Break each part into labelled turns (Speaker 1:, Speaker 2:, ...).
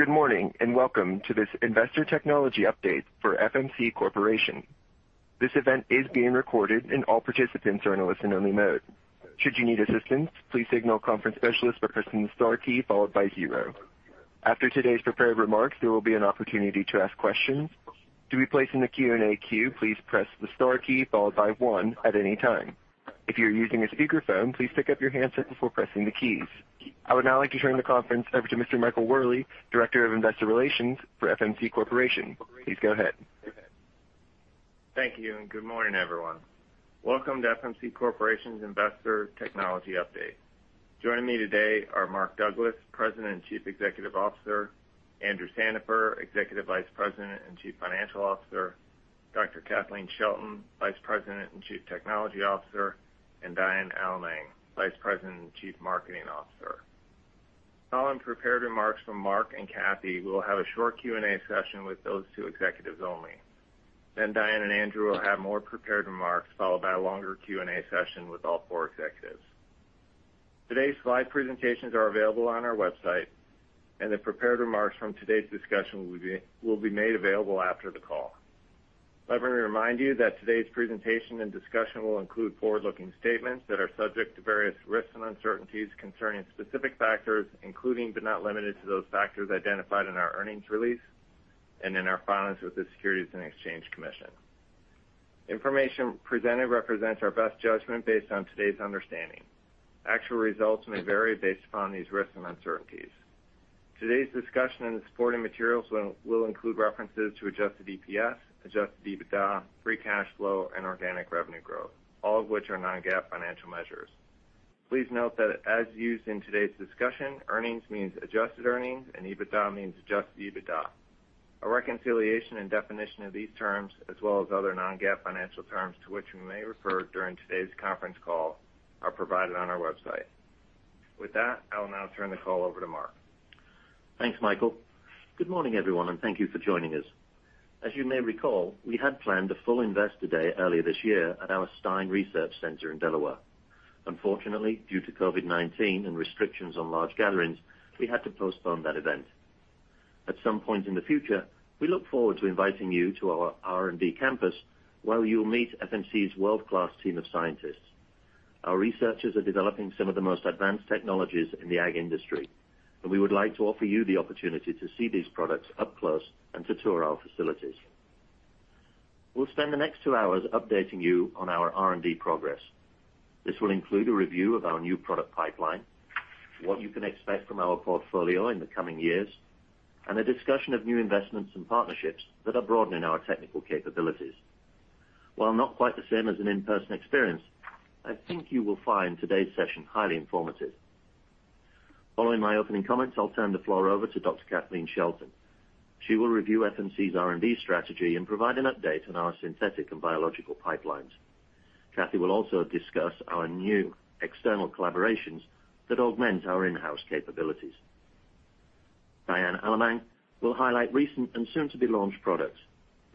Speaker 1: Good morning and welcome to this investor technology update for FMC Corporation. This event is being recorded and all participants are in a listen-only mode. Should you need assistance, please signal conference specialist by pressing the star key followed by zero. After today's prepared remarks, there will be an opportunity to ask questions. To be placed in the Q&A queue, please press the star key followed by one at any time. If you're using a speakerphone, please pick up your handset before pressing the keys. I would now like to turn the conference over to Mr. Michael Wherley, Director of Investor Relations for FMC Corporation. Please go ahead.
Speaker 2: Thank you and good morning, everyone. Welcome to FMC Corporation's investor technology update. Joining me today are Mark Douglas, President and Chief Executive Officer, Andrew Sandifer, Executive Vice President and Chief Financial Officer, Dr. Kathleen Shelton, Vice President and Chief Technology Officer, and Diane Allemang, Vice President and Chief Marketing Officer. Following prepared remarks from Mark and Kathy, we'll have a short Q&A session with those two executives only. Then Diane and Andrew will have more prepared remarks followed by a longer Q&A session with all four executives. Today's slide presentations are available on our website, and the prepared remarks from today's discussion will be made available after the call. Let me remind you that today's presentation and discussion will include forward-looking statements that are subject to various risks and uncertainties concerning specific factors, including but not limited to those factors identified in our earnings release and in our filings with the Securities and Exchange Commission. Information presented represents our best judgment based on today's understanding. Actual results may vary based upon these risks and uncertainties. Today's discussion and the supporting materials will include references to adjusted EPS, adjusted EBITDA, free cash flow, and organic revenue growth, all of which are non-GAAP financial measures. Please note that as used in today's discussion, earnings means adjusted earnings and EBITDA means adjusted EBITDA. A reconciliation and definition of these terms, as well as other non-GAAP financial terms to which we may refer during today's conference call, are provided on our website. With that, I will now turn the call over to Mark.
Speaker 3: Thanks, Michael. Good morning, everyone, and thank you for joining us. As you may recall, we had planned to hold an Investor Day earlier this year at our Stine Research Center in Delaware. Unfortunately, due to COVID-19 and restrictions on large gatherings, we had to postpone that event. At some point in the future, we look forward to inviting you to our R&D campus where you'll meet FMC's world-class team of scientists. Our researchers are developing some of the most advanced technologies in the ag industry, and we would like to offer you the opportunity to see these products up close and to tour our facilities. We'll spend the next two hours updating you on our R&D progress. This will include a review of our new product pipeline, what you can expect from our portfolio in the coming years, and a discussion of new investments and partnerships that are broadening our technical capabilities. While not quite the same as an in-person experience, I think you will find today's session highly informative. Following my opening comments, I'll turn the floor over to Dr. Kathleen Shelton. She will review FMC's R&D strategy and provide an update on our synthetic and biological pipelines. Kathy will also discuss our new external collaborations that augment our in-house capabilities. Diane Allemang will highlight recent and soon-to-be-launched products.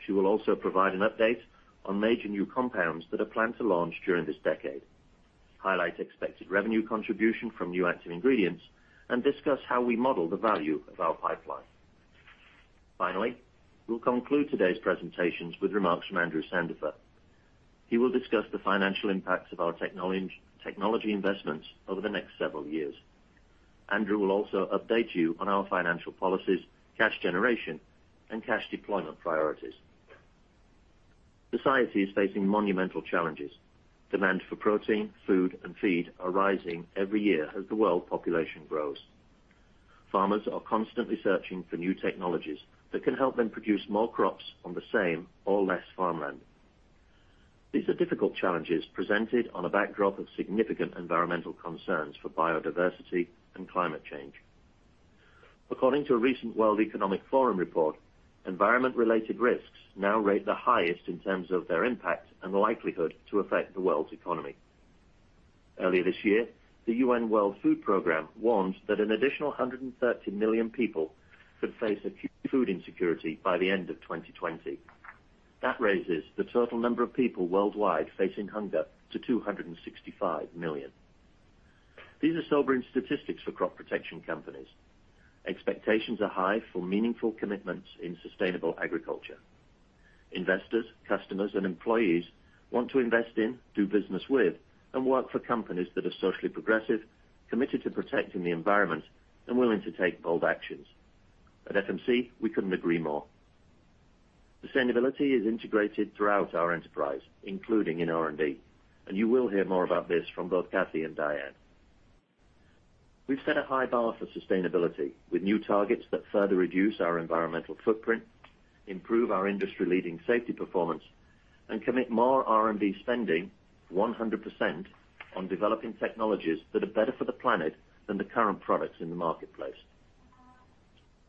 Speaker 3: She will also provide an update on major new compounds that are planned to launch during this decade, highlight expected revenue contribution from new active ingredients, and discuss how we model the value of our pipeline. Finally, we'll conclude today's presentations with remarks from Andrew Sandifer. He will discuss the financial impacts of our technology investments over the next several years. Andrew will also update you on our financial policies, cash generation, and cash deployment priorities. Society is facing monumental challenges. Demand for protein, food, and feed are rising every year as the world population grows. Farmers are constantly searching for new technologies that can help them produce more crops on the same or less farmland. These are difficult challenges presented on a backdrop of significant environmental concerns for biodiversity and climate change. According to a recent World Economic Forum report, environment-related risks now rate the highest in terms of their impact and likelihood to affect the world's economy. Earlier this year, the UN World Food Program warned that an additional 130 million people could face acute food insecurity by the end of 2020. That raises the total number of people worldwide facing hunger to 265 million. These are sobering statistics for crop protection companies. Expectations are high for meaningful commitments in sustainable agriculture. Investors, customers, and employees want to invest in, do business with, and work for companies that are socially progressive, committed to protecting the environment, and willing to take bold actions. At FMC, we couldn't agree more. Sustainability is integrated throughout our enterprise, including in R&D, and you will hear more about this from both Kathy and Diane. We've set a high bar for sustainability with new targets that further reduce our environmental footprint, improve our industry-leading safety performance, and commit more R&D spending, 100%, on developing technologies that are better for the planet than the current products in the marketplace.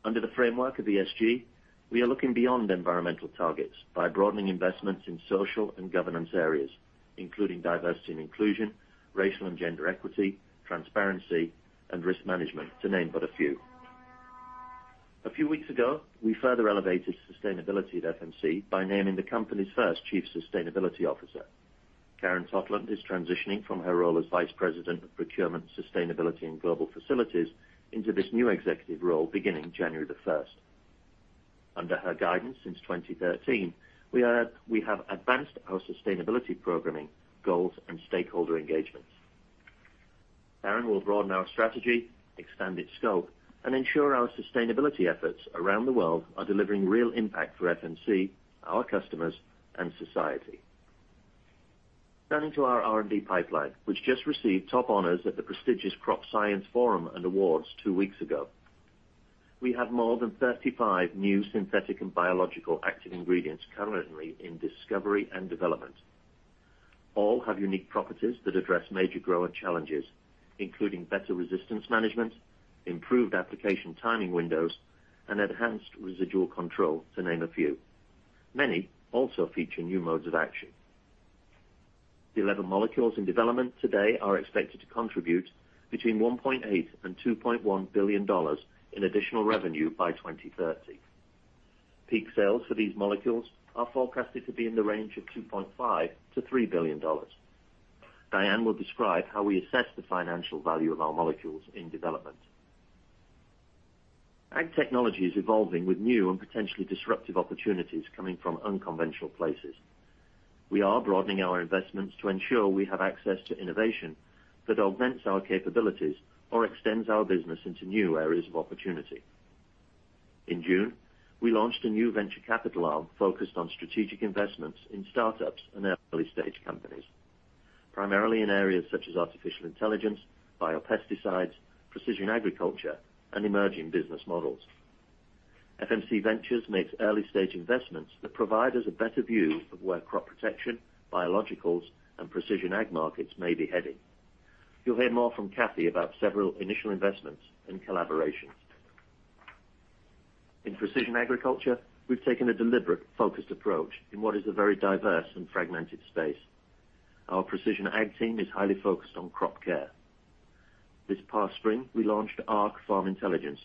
Speaker 3: Under the framework of ESG, we are looking beyond environmental targets by broadening investments in social and governance areas, including diversity and inclusion, racial and gender equity, transparency, and risk management, to name but a few. A few weeks ago, we further elevated sustainability at FMC by naming the company's first Chief Sustainability Officer. Karen Totland is transitioning from her role as Vice President of Procurement, Sustainability, and Global Facilities into this new executive role beginning January the 1st. Under her guidance since 2013, we have advanced our sustainability programming, goals, and stakeholder engagements. Karen will broaden our strategy, expand its scope, and ensure our sustainability efforts around the world are delivering real impact for FMC, our customers, and society. Turning to our R&D pipeline, which just received top honors at the prestigious Crop Science Forum and Awards two weeks ago, we have more than 35 new synthetic and biological active ingredients currently in discovery and development. All have unique properties that address major grower challenges, including better resistance management, improved application timing windows, and enhanced residual control, to name a few. Many also feature new modes of action. The 11 molecules in development today are expected to contribute between $1.8 billion and $2.1 billion in additional revenue by 2030. Peak sales for these molecules are forecasted to be in the range of $2.5-$3 billion. Diane will describe how we assess the financial value of our molecules in development. Ag technology is evolving with new and potentially disruptive opportunities coming from unconventional places. We are broadening our investments to ensure we have access to innovation that augments our capabilities or extends our business into new areas of opportunity. In June, we launched a new venture capital arm focused on strategic investments in startups and early stage companies, primarily in areas such as artificial intelligence, biopesticides, precision agriculture, and emerging business models. FMC Ventures makes early-stage investments that provide us a better view of where crop protection, biologicals, and precision ag markets may be heading. You'll hear more from Kathy about several initial investments and collaborations. In precision agriculture, we've taken a deliberate, focused approach in what is a very diverse and fragmented space. Our precision ag team is highly focused on crop care. This past spring, we launched Arc Farm Intelligence,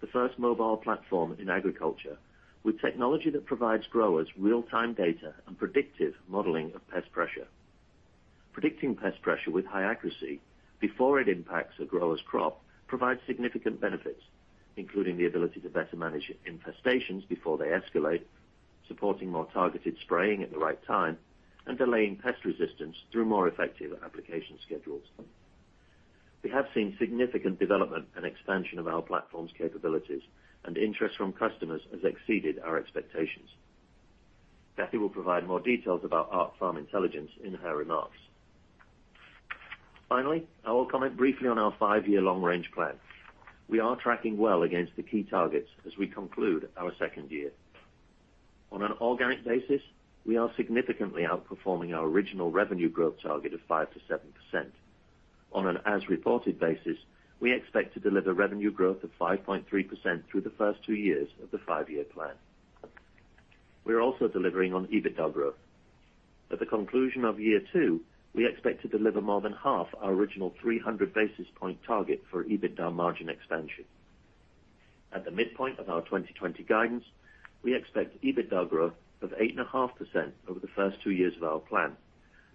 Speaker 3: the first mobile platform in agriculture with technology that provides growers real-time data and predictive modeling of pest pressure. Predicting pest pressure with high accuracy before it impacts a grower's crop provides significant benefits, including the ability to better manage infestations before they escalate, supporting more targeted spraying at the right time, and delaying pest resistance through more effective application schedules. We have seen significant development and expansion of our platform's capabilities, and interest from customers has exceeded our expectations. Kathy will provide more details about Arc Farm Intelligence in her remarks. Finally, I will comment briefly on our five-year long-range plan. We are tracking well against the key targets as we conclude our second year. On an organic basis, we are significantly outperforming our original revenue growth target of 5%-7%. On an as-reported basis, we expect to deliver revenue growth of 5.3% through the first two years of the five-year plan. We are also delivering on EBITDA growth. At the conclusion of year two, we expect to deliver more than half our original 300 basis point target for EBITDA margin expansion. At the midpoint of our 2020 guidance, we expect EBITDA growth of 8.5% over the first two years of our plan,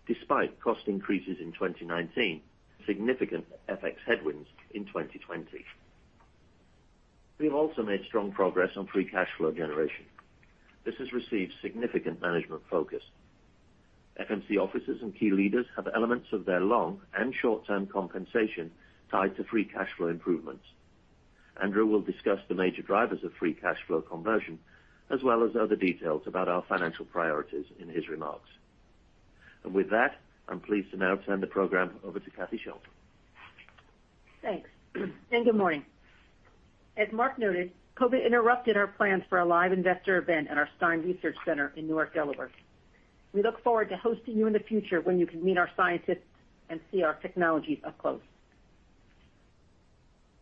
Speaker 3: despite cost increases in 2019 and significant FX headwinds in 2020. We have also made strong progress on free cash flow generation. This has received significant management focus. FMC officers and key leaders have elements of their long and short-term compensation tied to free cash flow improvements. Andrew will discuss the major drivers of free cash flow conversion, as well as other details about our financial priorities in his remarks. And with that, I'm pleased to now turn the program over to Kathy Shelton.
Speaker 4: Thanks, and good morning. As Mark noted, COVID interrupted our plans for a live investor event at our Stine Research Center in Newark, Delaware. We look forward to hosting you in the future when you can meet our scientists and see our technologies up close.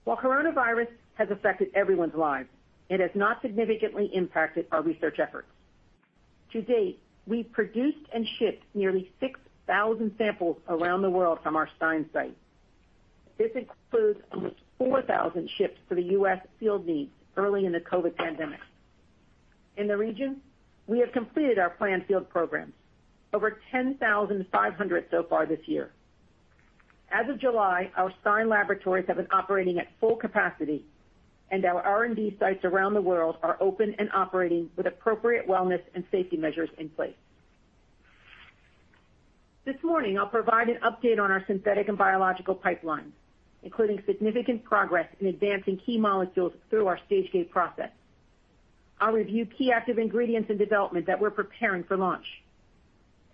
Speaker 4: While coronavirus has affected everyone's lives, it has not significantly impacted our research efforts. To date, we've produced and shipped nearly 6,000 samples around the world from our Stine site. This includes almost 4,000 shipments for the U.S. field needs early in the COVID pandemic. In the region, we have completed our planned field programs, over 10,500 so far this year. As of July, our Stine laboratories have been operating at full capacity, and our R&D sites around the world are open and operating with appropriate wellness and safety measures in place. This morning, I'll provide an update on our synthetic and biological pipeline, including significant progress in advancing key molecules through our stage gate process. I'll review key active ingredients in development that we're preparing for launch.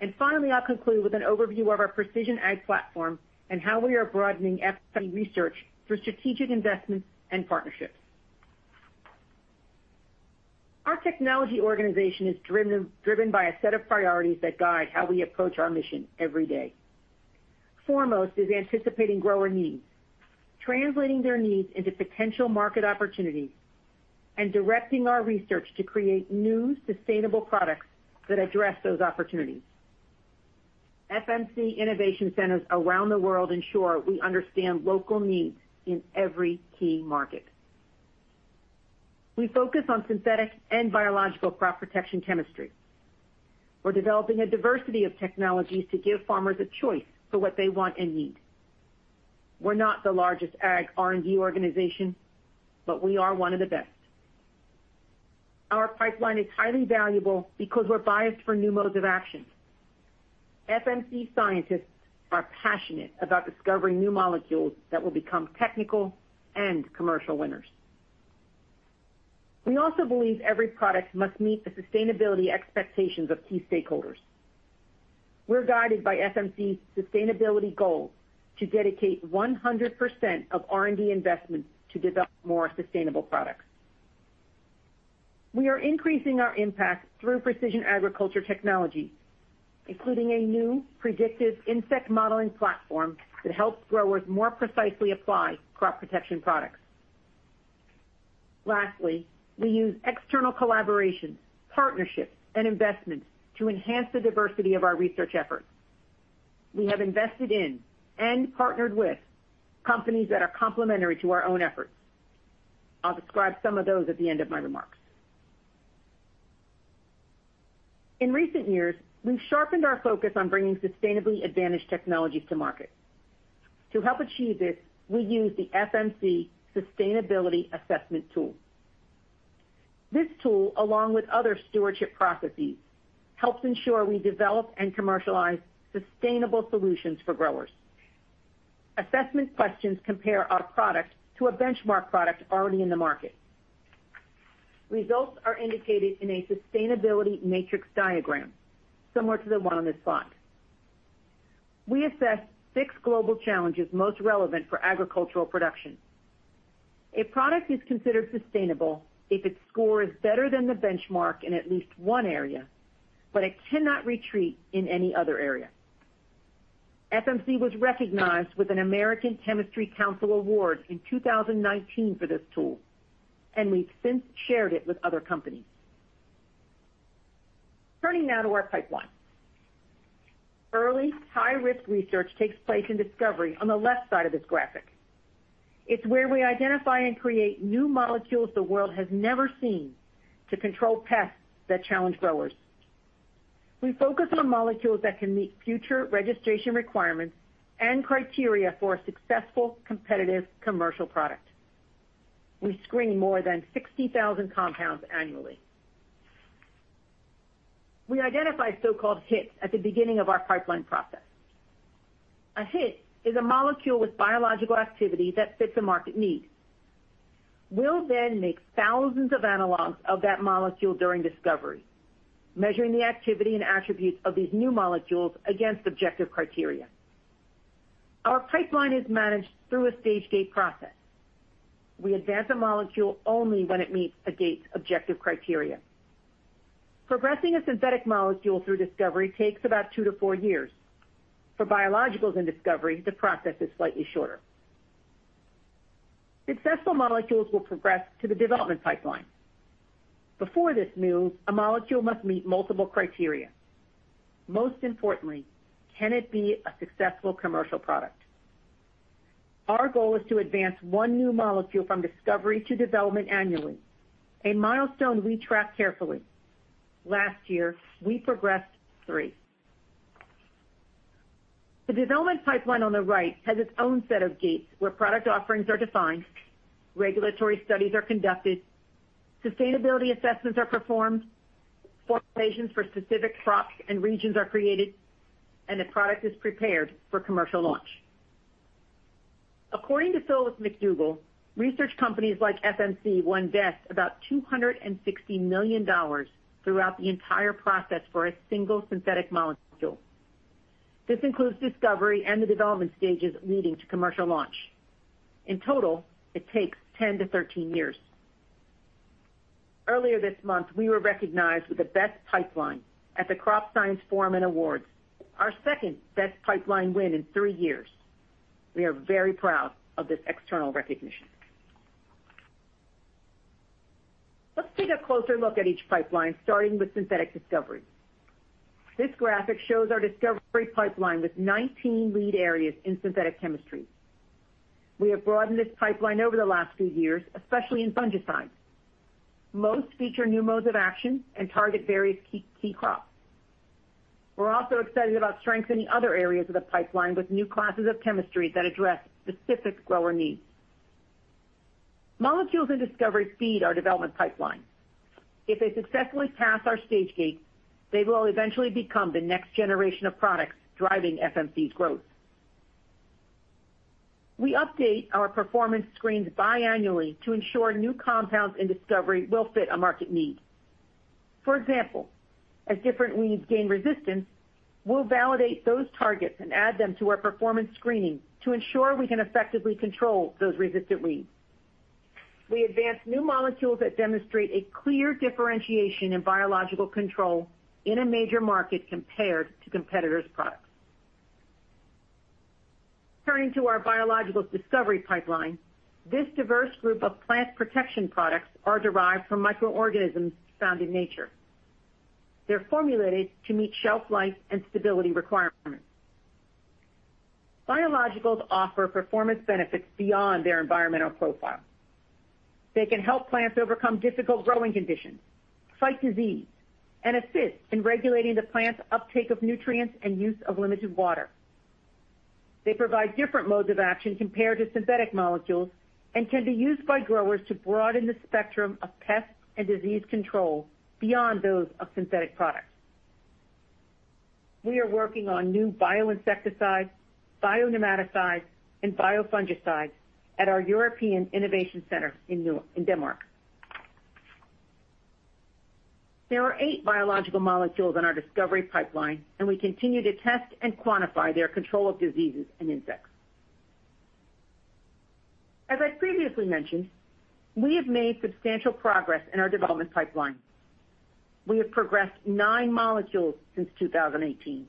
Speaker 4: And finally, I'll conclude with an overview of our precision ag platform and how we are broadening FMC research through strategic investments and partnerships. Our technology organization is driven by a set of priorities that guide how we approach our mission every day. Foremost is anticipating grower needs, translating their needs into potential market opportunities, and directing our research to create new sustainable products that address those opportunities. FMC innovation centers around the world ensure we understand local needs in every key market. We focus on synthetic and biological crop protection chemistry. We're developing a diversity of technologies to give farmers a choice for what they want and need. We're not the largest ag R&D organization, but we are one of the best. Our pipeline is highly valuable because we're biased for new modes of action. FMC scientists are passionate about discovering new molecules that will become technical and commercial winners. We also believe every product must meet the sustainability expectations of key stakeholders. We're guided by FMC's sustainability goals to dedicate 100% of R&D investments to develop more sustainable products. We are increasing our impact through precision agriculture technology, including a new predictive insect modeling platform that helps growers more precisely apply crop protection products. Lastly, we use external collaborations, partnerships, and investments to enhance the diversity of our research efforts. We have invested in and partnered with companies that are complementary to our own efforts. I'll describe some of those at the end of my remarks. In recent years, we've sharpened our focus on bringing sustainably advantaged technologies to market. To help achieve this, we use the FMC Sustainability Assessment Tool. This tool, along with other stewardship processes, helps ensure we develop and commercialize sustainable solutions for growers. Assessment questions compare our product to a benchmark product already in the market. Results are indicated in a sustainability matrix diagram, similar to the one on this slide. We assess six global challenges most relevant for agricultural production. A product is considered sustainable if its score is better than the benchmark in at least one area, but it cannot retreat in any other area. FMC was recognized with an American Chemistry Council award in 2019 for this tool, and we've since shared it with other companies. Turning now to our pipeline. Early, high-risk research takes place in discovery on the left side of this graphic. It's where we identify and create new molecules the world has never seen to control pests that challenge growers. We focus on molecules that can meet future registration requirements and criteria for a successful, competitive commercial product. We screen more than 60,000 compounds annually. We identify so-called hits at the beginning of our pipeline process. A hit is a molecule with biological activity that fits a market need. We'll then make thousands of analogs of that molecule during discovery, measuring the activity and attributes of these new molecules against objective criteria. Our pipeline is managed through a stage gate process. We advance a molecule only when it meets a gate's objective criteria. Progressing a synthetic molecule through discovery takes about two to four years. For biologicals in discovery, the process is slightly shorter. Successful molecules will progress to the development pipeline. Before this move, a molecule must meet multiple criteria. Most importantly, can it be a successful commercial product? Our goal is to advance one new molecule from discovery to development annually, a milestone we track carefully. Last year, we progressed three. The development pipeline on the right has its own set of gates where product offerings are defined, regulatory studies are conducted, sustainability assessments are performed, formulations for specific crops and regions are created, and the product is prepared for commercial launch. According to Phillips McDougall, research companies like FMC spend about $260 million throughout the entire process for a single synthetic molecule. This includes discovery and the development stages leading to commercial launch. In total, it takes 10 to 13 years. Earlier this month, we were recognized with the Best Pipeline at the Crop Science Forum and Awards, our second Best Pipeline win in three years. We are very proud of this external recognition. Let's take a closer look at each pipeline, starting with synthetic discovery. This graphic shows our discovery pipeline with 19 lead areas in synthetic chemistry. We have broadened this pipeline over the last few years, especially in fungicides. Most feature new modes of action and target various key crops. We're also excited about strengthening other areas of the pipeline with new classes of chemistry that address specific grower needs. Molecules in discovery feed our development pipeline. If they successfully pass our stage gate, they will eventually become the next generation of products driving FMC's growth. We update our performance screens biannually to ensure new compounds in discovery will fit a market need. For example, as different weeds gain resistance, we'll validate those targets and add them to our performance screening to ensure we can effectively control those resistant weeds. We advance new molecules that demonstrate a clear differentiation in biological control in a major market compared to competitors' products. Turning to our biological discovery pipeline, this diverse group of plant protection products are derived from microorganisms found in nature. They're formulated to meet shelf life and stability requirements. Biologicals offer performance benefits beyond their environmental profile. They can help plants overcome difficult growing conditions, fight disease, and assist in regulating the plant's uptake of nutrients and use of limited water. They provide different modes of action compared to synthetic molecules and can be used by growers to broaden the spectrum of pest and disease control beyond those of synthetic products. We are working on new bioinsecticides, bionematicides, and biofungicides at our European Innovation Center in Denmark. There are eight biological molecules in our discovery pipeline, and we continue to test and quantify their control of diseases and insects. As I previously mentioned, we have made substantial progress in our development pipeline. We have progressed nine molecules since 2018,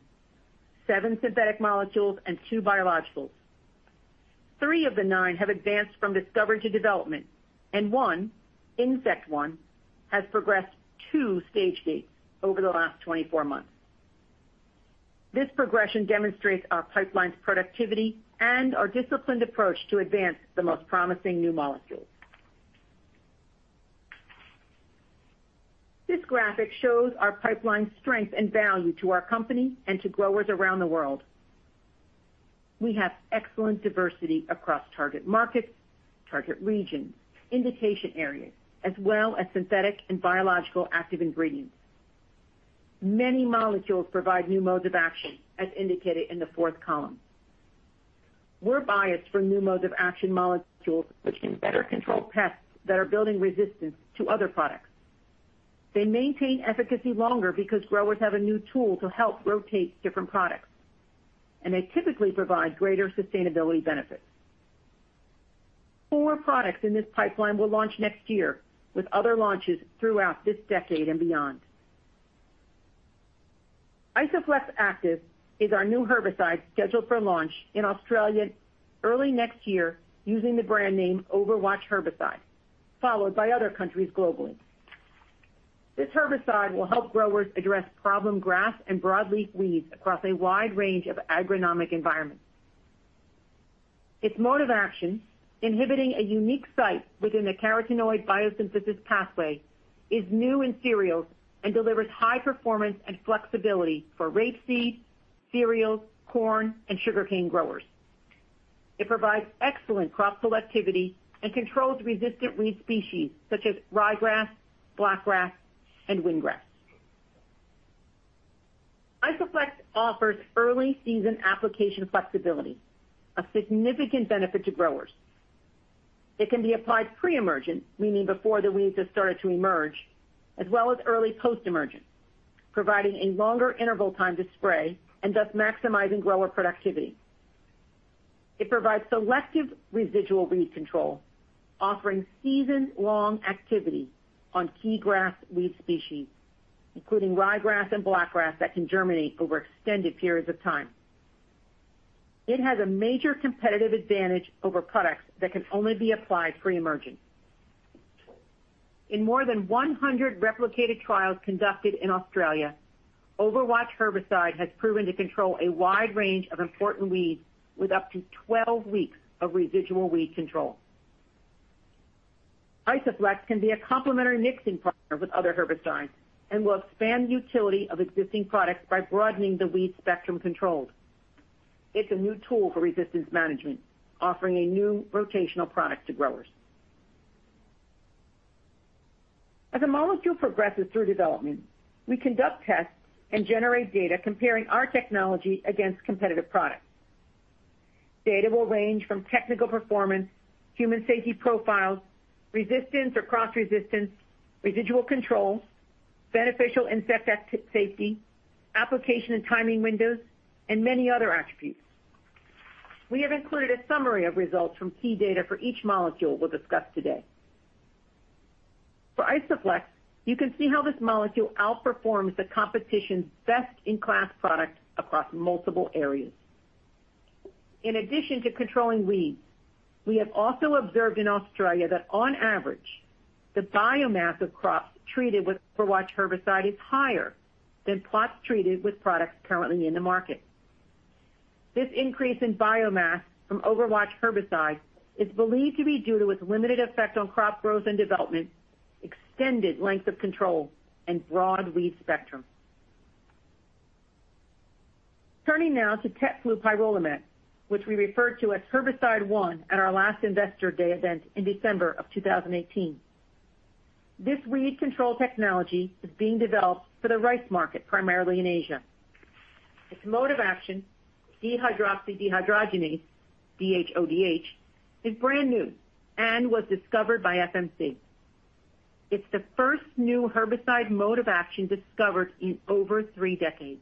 Speaker 4: seven synthetic molecules and two biologicals. Three of the nine have advanced from discovery to development, and one, Insect One, has progressed two stage gates over the last 24 months. This progression demonstrates our pipeline's productivity and our disciplined approach to advance the most promising new molecules. This graphic shows our pipeline's strength and value to our company and to growers around the world. We have excellent diversity across target markets, target regions, indication areas, as well as synthetic and biological active ingredients. Many molecules provide new modes of action, as indicated in the fourth column. We're biased for new modes of action molecules, which can better control pests that are building resistance to other products. They maintain efficacy longer because growers have a new tool to help rotate different products, and they typically provide greater sustainability benefits. Four products in this pipeline will launch next year with other launches throughout this decade and beyond. Isoflex active is our new herbicide scheduled for launch in Australia early next year using the brand name Overwatch Herbicide, followed by other countries globally. This herbicide will help growers address problem grass and broadleaf weeds across a wide range of agronomic environments. Its mode of action, inhibiting a unique site within the carotenoid biosynthesis pathway, is new in cereals and delivers high performance and flexibility for rapeseed, cereals, corn, and sugarcane growers. It provides excellent crop selectivity and controls resistant weed species such as ryegrass, blackgrass, and windgrass. Isoflex offers early season application flexibility, a significant benefit to growers. It can be applied pre-emergence, meaning before the weeds have started to emerge, as well as early post-emergence, providing a longer interval time to spray and thus maximizing grower productivity. It provides selective residual weed control, offering season-long activity on key grass weed species, including ryegrass and blackgrass that can germinate over extended periods of time. It has a major competitive advantage over products that can only be applied pre-emergence. In more than 100 replicated trials conducted in Australia, Overwatch Herbicide has proven to control a wide range of important weeds with up to 12 weeks of residual weed control. Isoflex can be a complementary mixing partner with other herbicides and will expand the utility of existing products by broadening the weed spectrum controlled. It's a new tool for resistance management, offering a new rotational product to growers. As a molecule progresses through development, we conduct tests and generate data comparing our technology against competitive products. Data will range from technical performance, human safety profiles, resistance or cross-resistance, residual controls, beneficial insect safety, application and timing windows, and many other attributes. We have included a summary of results from key data for each molecule we'll discuss today. For Isoflex, you can see how this molecule outperforms the competition's best-in-class product across multiple areas. In addition to controlling weeds, we have also observed in Australia that, on average, the biomass of crops treated with Overwatch Herbicide is higher than plots treated with products currently in the market. This increase in biomass from Overwatch Herbicide is believed to be due to its limited effect on crop growth and development, extended length of control, and broad weed spectrum. Turning now to tetflupyrolimet, which we referred to as Herbicide One at our last investor day event in December of 2018. This weed control technology is being developed for the rice market, primarily in Asia. Its mode of action, dihydroorotate dehydrogenase, DHODH, is brand new and was discovered by FMC. It's the first new herbicide mode of action discovered in over three decades.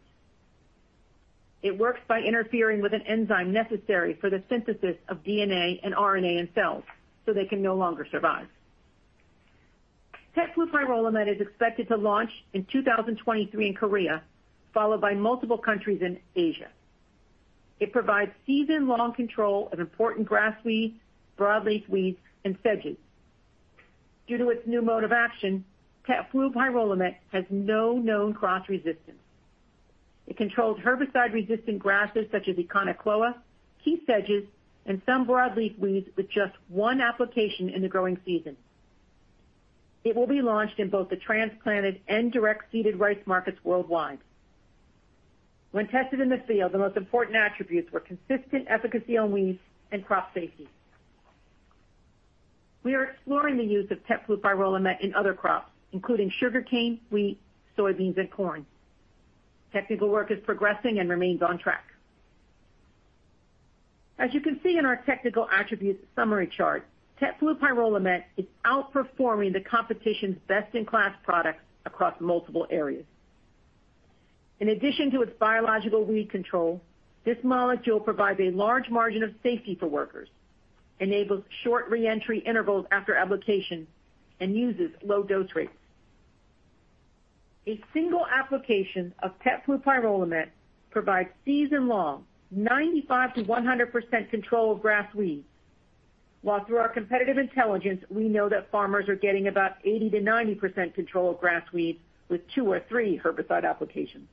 Speaker 4: It works by interfering with an enzyme necessary for the synthesis of DNA and RNA in cells so they can no longer survive. Tetflupyrolimet is expected to launch in 2023 in Korea, followed by multiple countries in Asia. It provides season-long control of important grass weeds, broadleaf weeds, and sedges. Due to its new mode of action, tetflupyrolimet has no known cross-resistance. It controls herbicide-resistant grasses such as Echinochloa, key sedges, and some broadleaf weeds with just one application in the growing season. It will be launched in both the transplanted and direct-seeded rice markets worldwide. When tested in the field, the most important attributes were consistent efficacy on weeds and crop safety. We are exploring the use of Tetflupyrolimet in other crops, including sugarcane, wheat, soybeans, and corn. Technical work is progressing and remains on track. As you can see in our technical attribute summary chart, Tetflupyrolimet is outperforming the competition's best-in-class products across multiple areas. In addition to its biological weed control, this molecule provides a large margin of safety for workers, enables short re-entry intervals after application, and uses low dose rates. A single application of Tetflupyrolimet provides season-long 95%-100% control of grass weeds, while through our competitive intelligence, we know that farmers are getting about 80%-90% control of grass weeds with two or three herbicide applications.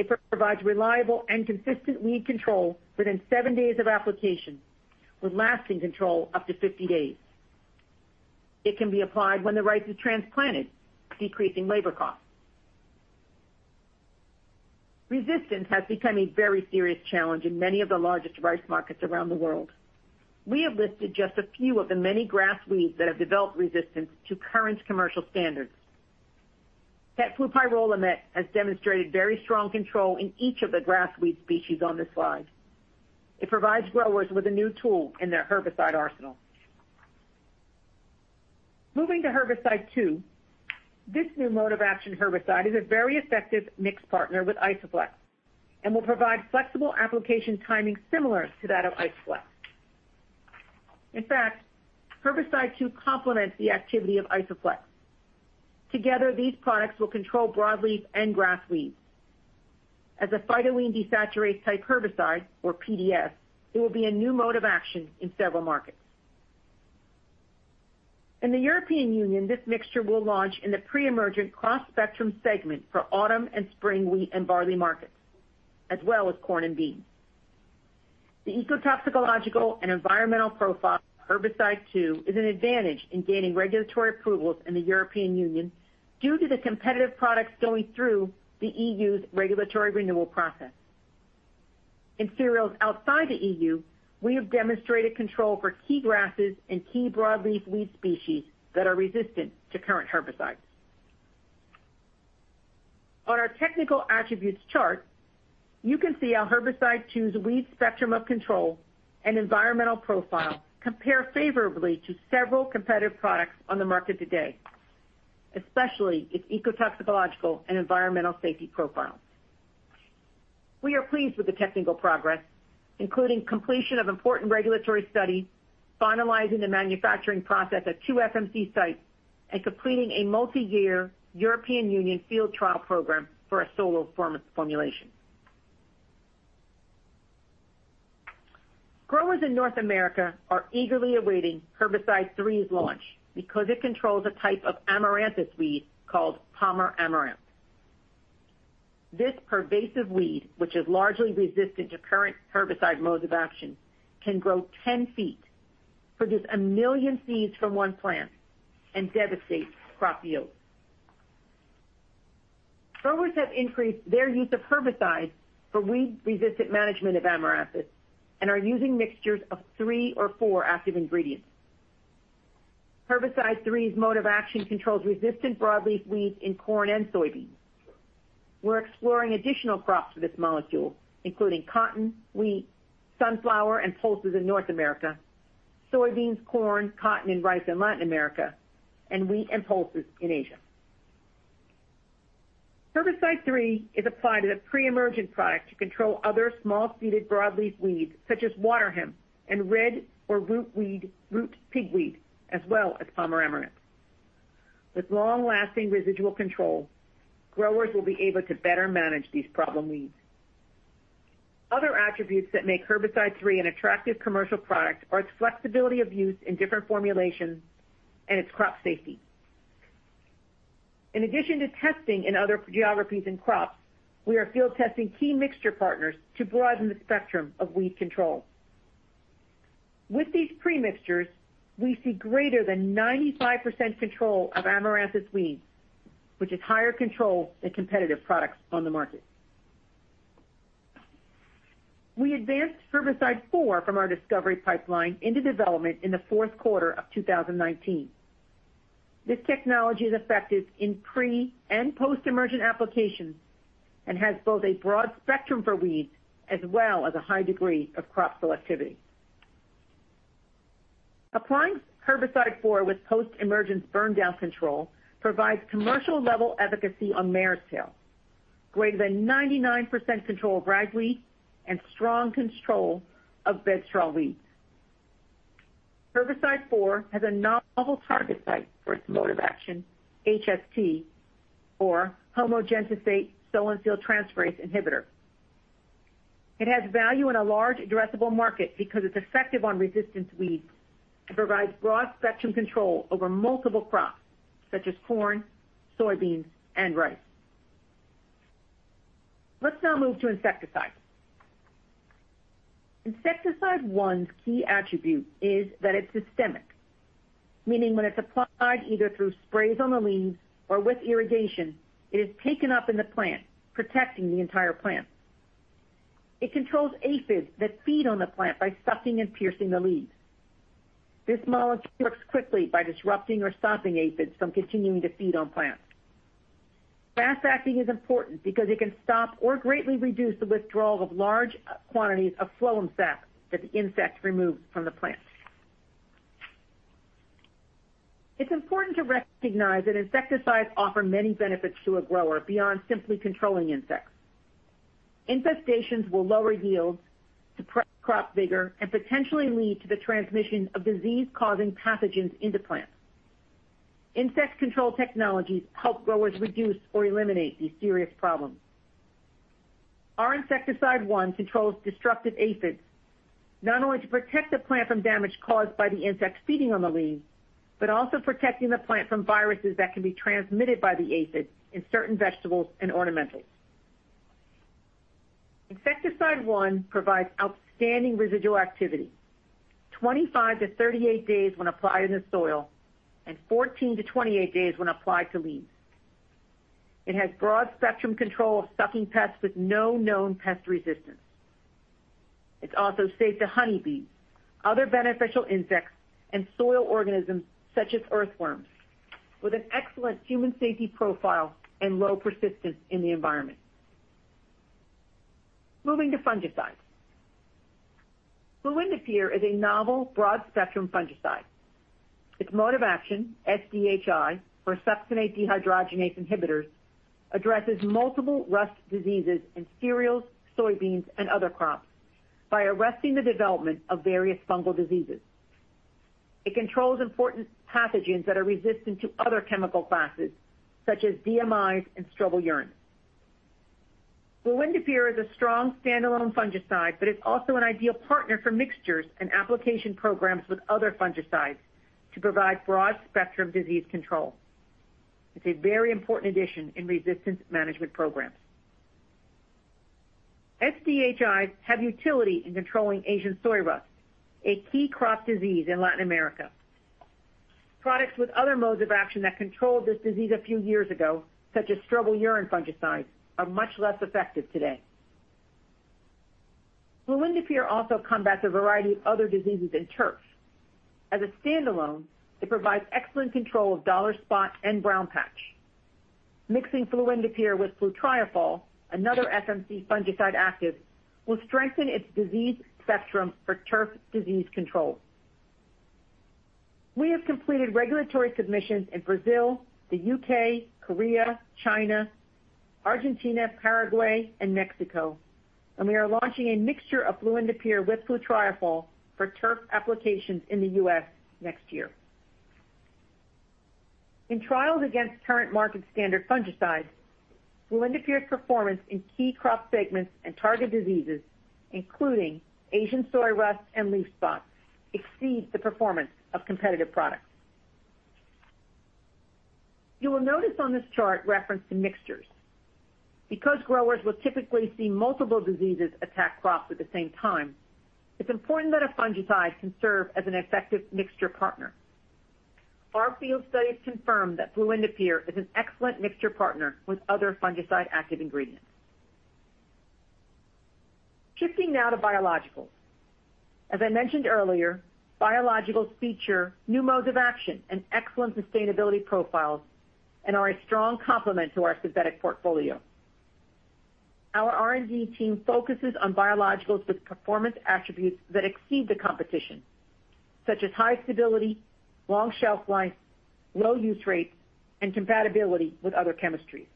Speaker 4: It provides reliable and consistent weed control within seven days of application, with lasting control up to 50 days. It can be applied when the rice is transplanted, decreasing labor costs. Resistance has become a very serious challenge in many of the largest rice markets around the world. We have listed just a few of the many grass weeds that have developed resistance to current commercial standards. Tetflupyrolimet has demonstrated very strong control in each of the grass weed species on this slide. It provides growers with a new tool in their herbicide arsenal. Moving to Herbicide Two, this new mode of action herbicide is a very effective mixed partner with Isoflex and will provide flexible application timing similar to that of IsoFlex. In fact, Herbicide Two complements the activity of Isoflex. Together, these products will control broadleaf and grass weeds. As a phytoene desaturase-type herbicide, or PDS, it will be a new mode of action in several markets. In the European Union, this mixture will launch in the pre-emergent cross-spectrum segment for autumn and spring wheat and barley markets, as well as corn and beans. The ecotoxicological and environmental profile of Herbicide Two is an advantage in gaining regulatory approvals in the European Union due to the competitive products going through the EU's regulatory renewal process. In cereals outside the EU, we have demonstrated control for key grasses and key broadleaf weed species that are resistant to current herbicides. On our technical attributes chart, you can see how Herbicide Two's weed spectrum of control and environmental profile compare favorably to several competitive products on the market today, especially its ecotoxicological and environmental safety profiles. We are pleased with the technical progress, including completion of important regulatory studies, finalizing the manufacturing process at two FMC sites, and completing a multi-year European Union field trial program for a solo formulation. Growers in North America are eagerly awaiting Herbicide Three's launch because it controls a type of Amaranthus weed called Palmer amaranth. This pervasive weed, which is largely resistant to current herbicide modes of action, can grow 10 feet, produce a million seeds from one plant, and devastate crop yields. Growers have increased their use of herbicides for weed-resistant management of Amaranthus and are using mixtures of three or four active ingredients. Herbicide Three's mode of action controls resistant broadleaf weeds in corn and soybeans. We're exploring additional crops for this molecule, including cotton, wheat, sunflower, and pulses in North America, soybeans, corn, cotton, and rice in Latin America, and wheat and pulses in Asia. Herbicide Three is applied as a pre-emergent product to control other small-seeded broadleaf weeds such as waterhemp and red or root pigweed, as well as Palmer amaranth. With long-lasting residual control, growers will be able to better manage these problem weeds. Other attributes that make Herbicide Three an attractive commercial product are its flexibility of use in different formulations and its crop safety. In addition to testing in other geographies and crops, we are field testing key mixture partners to broaden the spectrum of weed control. With these pre-mixtures, we see greater than 95% control of Amaranthus weeds, which is higher control than competitive products on the market. We advanced Herbicide Four from our discovery pipeline into development in the fourth quarter of 2019. This technology is effective in pre- and post-emergent applications and has both a broad spectrum for weeds as well as a high degree of crop selectivity. Applying Herbicide Four with post-emergence burndown control provides commercial-level efficacy on marestail, greater than 99% control of ragweed, and strong control of bedstraw weeds. Herbicide Four has a novel target site for its mode of action, HST, or homogentisate solanesyltransferase inhibitor. It has value in a large addressable market because it's effective on resistant weeds and provides broad spectrum control over multiple crops such as corn, soybeans, and rice. Let's now move to insecticides. Insecticide One's key attribute is that it's systemic, meaning when it's applied either through sprays on the leaves or with irrigation, it is taken up in the plant, protecting the entire plant. It controls aphids that feed on the plant by sucking and piercing the leaves. This molecule works quickly by disrupting or stopping aphids from continuing to feed on plants. Fast acting is important because it can stop or greatly reduce the withdrawal of large quantities of phloem sap that the insect removes from the plant. It's important to recognize that insecticides offer many benefits to a grower beyond simply controlling insects. Infestations will lower yields, suppress crop vigor, and potentially lead to the transmission of disease-causing pathogens into plants. Insect control technologies help growers reduce or eliminate these serious problems. Our Insecticide One controls destructive aphids not only to protect the plant from damage caused by the insect feeding on the leaves, but also protecting the plant from viruses that can be transmitted by the aphids in certain vegetables and ornamentals. Insecticide One provides outstanding residual activity, 25-38 days when applied in the soil and 14-28 days when applied to leaves. It has broad-spectrum control of sucking pests with no known pest resistance. It's also safe to honeybees, other beneficial insects, and soil organisms such as earthworms, with an excellent human safety profile and low persistence in the environment. Moving to fungicides. Fluindapyr is a novel broad-spectrum fungicide. Its mode of action, SDHI, or succinate dehydrogenase inhibitors, addresses multiple rust diseases in cereals, soybeans, and other crops by arresting the development of various fungal diseases. It controls important pathogens that are resistant to other chemical classes, such as diamides and strobilurins. Fluindapyr is a strong standalone fungicide, but it's also an ideal partner for mixtures and application programs with other fungicides to provide broad-spectrum disease control. It's a very important addition in resistance management programs. SDHIs have utility in controlling Asian soy rust, a key crop disease in Latin America. Products with other modes of action that controlled this disease a few years ago, such as strobilurin fungicides, are much less effective today. Fluindapyr also combats a variety of other diseases in turf. As a standalone, it provides excellent control of dollar spot and brown patch. Mixing Fluindapyr with flutriafol, another FMC fungicide active, will strengthen its disease spectrum for turf disease control. We have completed regulatory submissions in Brazil, the U.K., Korea, China, Argentina, Paraguay, and Mexico, and we are launching a mixture of Fluindapyr with flutriafol for turf applications in the U.S. next year. In trials against current market standard fungicides, Fluindapyr's performance in key crop segments and target diseases, including Asian soy rust and leaf spot, exceeds the performance of competitive products. You will notice on this chart reference to mixtures. Because growers will typically see multiple diseases attack crops at the same time, it's important that a fungicide can serve as an effective mixture partner. Our field studies confirm that Fluindapyr is an excellent mixture partner with other fungicide active ingredients. Shifting now to biologicals. As I mentioned earlier, biologicals feature new modes of action and excellent sustainability profiles and are a strong complement to our synthetic portfolio. Our R&D team focuses on biologicals with performance attributes that exceed the competition, such as high stability, long shelf life, low use rates, and compatibility with other chemistries.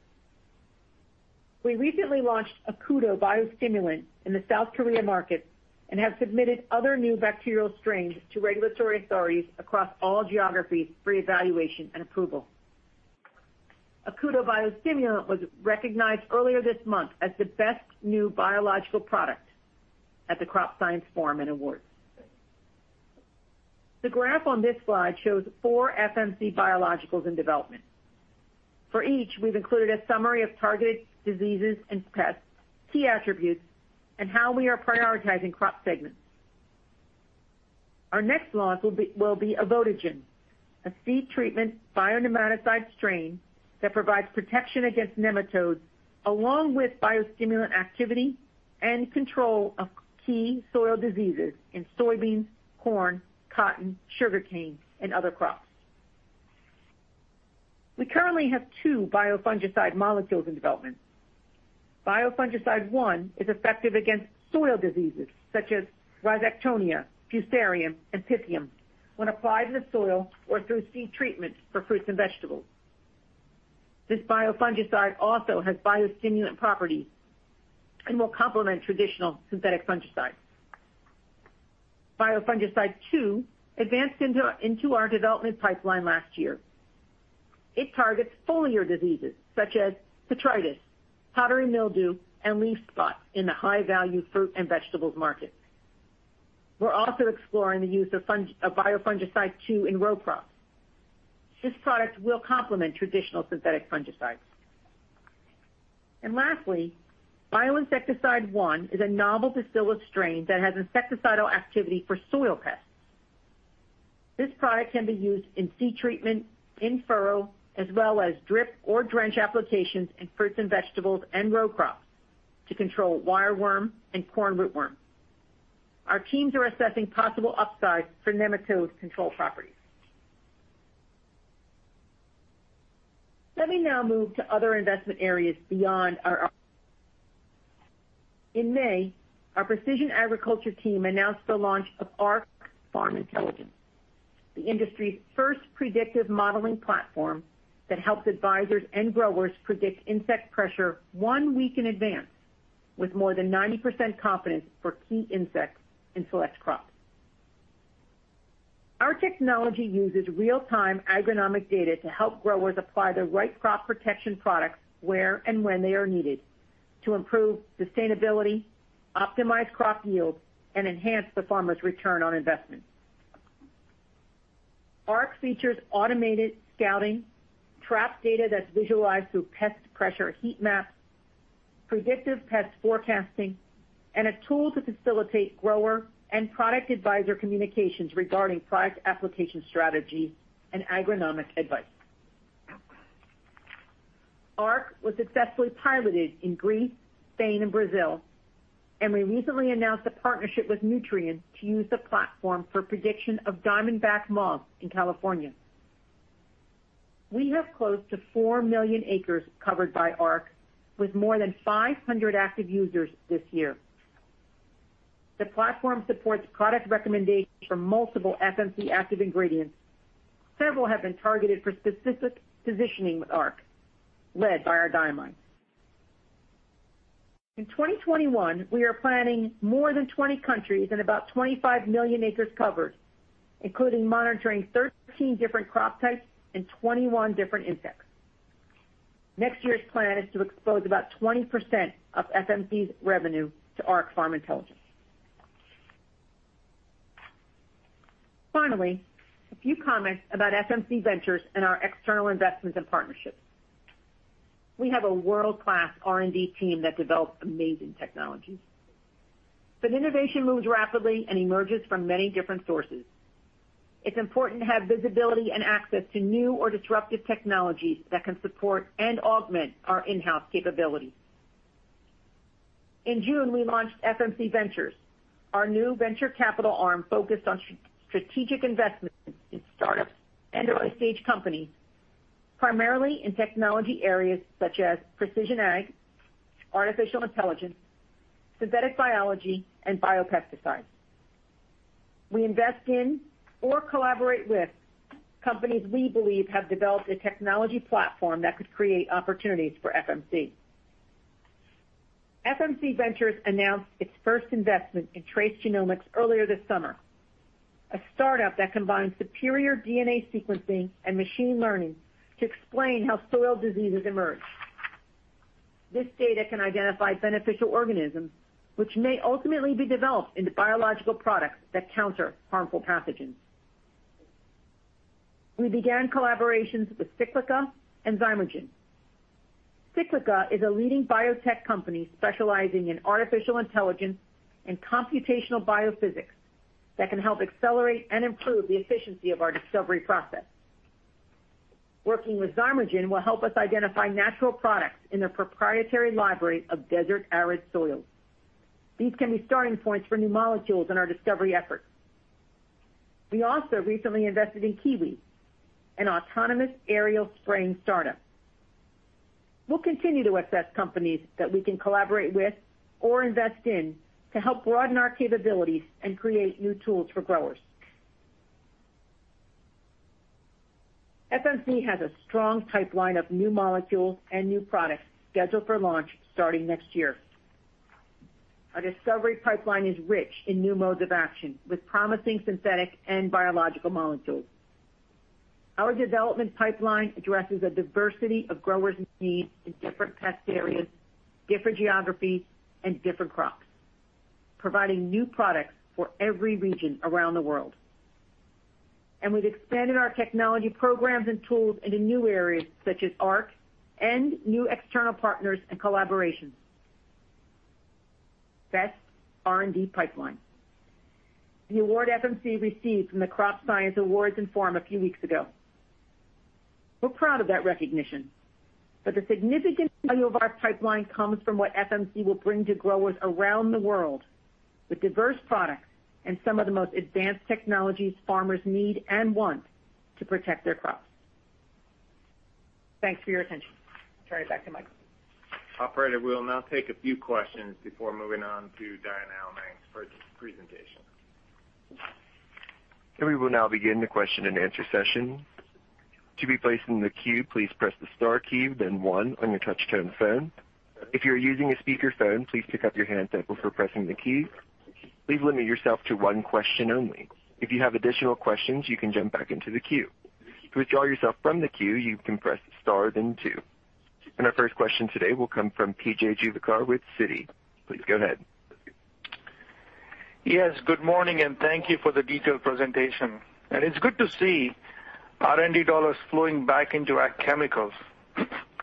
Speaker 4: We recently launched Acudo biostimulant in the South Korea market and have submitted other new bacterial strains to regulatory authorities across all geographies for evaluation and approval. Acudo biostimulant was recognized earlier this month as the best new biological product at the Crop Science Forum and Awards. The graph on this slide shows four FMC biologicals in development. For each, we've included a summary of targeted diseases and pests, key attributes, and how we are prioritizing crop segments. Our next launch will be Avodigen, a seed treatment bionematicide strain that provides protection against nematodes along with biostimulant activity and control of key soil diseases in soybeans, corn, cotton, sugarcane, and other crops. We currently have two biofungicide molecules in development. Biofungicide One is effective against soil diseases such as Rhizoctonia, Fusarium, and Pythium when applied in the soil or through seed treatment for fruits and vegetables. This biofungicide also has biostimulant properties and will complement traditional synthetic fungicides. Biofungicide Two advanced into our development pipeline last year. It targets foliar diseases such as Septoria, powdery mildew, and leaf spot in the high-value fruit and vegetables market. We're also exploring the use of biofungicide Two in row crops. This product will complement traditional synthetic fungicides. And lastly, Bioinsecticide One is a novel Bacillus strain that has insecticidal activity for soil pests. This product can be used in seed treatment, in furrow, as well as drip or drench applications in fruits and vegetables and row crops to control wireworm and corn rootworm. Our teams are assessing possible upside for nematode control properties. Let me now move to other investment areas beyond our Arc. In May, our Precision Agriculture team announced the launch of Arc Farm Intelligence, the industry's first predictive modeling platform that helps advisors and growers predict insect pressure one week in advance with more than 90% confidence for key insects in select crops. Our technology uses real-time agronomic data to help growers apply the right crop protection products where and when they are needed to improve sustainability, optimize crop yields, and enhance the farmer's return on investment. Arc features automated scouting, trap data that's visualized through pest pressure heat maps, predictive pest forecasting, and a tool to facilitate grower and product advisor communications regarding product application strategy and agronomic advice. Arc was successfully piloted in Greece, Spain, and Brazil, and we recently announced a partnership with Nutrien to use the platform for prediction of diamondback moth in California. We have close to four million acres covered by Arc, with more than 500 active users this year. The platform supports product recommendations for multiple FMC active ingredients. Several have been targeted for specific positioning with Arc, led by our diamides. In 2021, we are planning more than 20 countries and about 25 million acres covered, including monitoring 13 different crop types and 21 different insects. Next year's plan is to expose about 20% of FMC's revenue to Arc Farm Intelligence. Finally, a few comments about FMC Ventures and our external investments and partnerships. We have a world-class R&D team that develops amazing technologies. But innovation moves rapidly and emerges from many different sources. It's important to have visibility and access to new or disruptive technologies that can support and augment our in-house capabilities. In June, we launched FMC Ventures, our new venture capital arm focused on strategic investments in startups and Early Stage Companies, primarily in technology areas such as precision ag, artificial intelligence, synthetic biology, and biopesticides. We invest in or collaborate with companies we believe have developed a technology platform that could create opportunities for FMC. FMC Ventures announced its first investment in Trace Genomics earlier this summer, a startup that combines superior DNA sequencing and machine learning to explain how soil diseases emerge. This data can identify beneficial organisms, which may ultimately be developed into biological products that counter harmful pathogens. We began collaborations with Cyclica and Zymergen. Cyclica is a leading biotech company specializing in artificial intelligence and computational biophysics that can help accelerate and improve the efficiency of our discovery process. Working with Zymergen will help us identify natural products in their proprietary library of desert arid soils. These can be starting points for new molecules in our discovery efforts. We also recently invested in Kiwi, an autonomous aerial spraying startup. We'll continue to assess companies that we can collaborate with or invest in to help broaden our capabilities and create new tools for growers. FMC has a strong pipeline of new molecules and new products scheduled for launch starting next year. Our discovery pipeline is rich in new modes of action with promising synthetic and biological molecules. Our development pipeline addresses a diversity of growers' needs in different pest areas, different geographies, and different crops, providing new products for every region around the world, and we've expanded our technology programs and tools into new areas such as Arc and new external partners and collaborations. Best R&D pipeline, the award FMC received from the Crop Science Forum and Awards a few weeks ago. We're proud of that recognition, but the significant value of our pipeline comes from what FMC will bring to growers around the world with diverse products and some of the most advanced technologies farmers need and want to protect their crops. Thanks for your attention. Turn it back to Michael.
Speaker 2: Operator, we'll now take a few questions before moving on to Diane Allemang's presentation,
Speaker 1: And we will now begin the question and answer session. To be placed in the queue, please press the star key, then one on your touch-tone phone. If you're using a speakerphone, please pick up the handset before pressing the key. Please limit yourself to one question only. If you have additional questions, you can jump back into the queue. To withdraw yourself from the queue, you can press the star, then two, and our first question today will come from P.J. Juvekar with Citi. Please go ahead. Yes, good morning, and thank you for the detailed presentation, and it's good to see R&D dollars flowing back into our chemicals.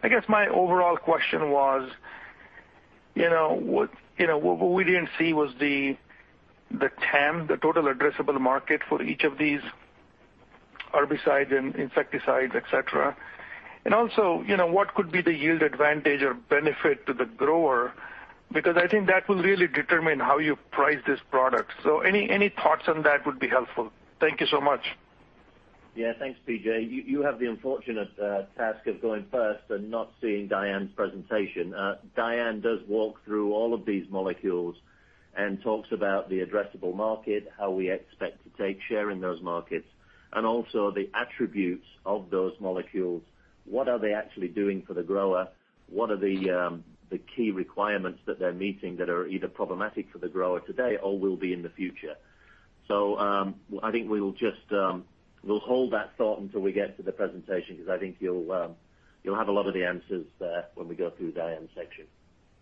Speaker 1: I guess my overall question was, you know, what we didn't see was the TAM, the total addressable market for each of these herbicides and insecticides, et cetera. And also, you know, what could be the yield advantage or benefit to the grower? Because I think that will really determine how you price this product. So any thoughts on that would be helpful. Thank you so much.
Speaker 2: Yeah, thanks, PJ. You have the unfortunate task of going first and not seeing Diane's presentation. Diane does walk through all of these molecules and talks about the addressable market, how we expect to take share in those markets, and also the attributes of those molecules. What are they actually doing for the grower? What are the key requirements that they're meeting that are either problematic for the grower today or will be in the future? So I think we'll just hold that thought until we get to the presentation because I think you'll have a lot of the answers there when we go through Diane's section.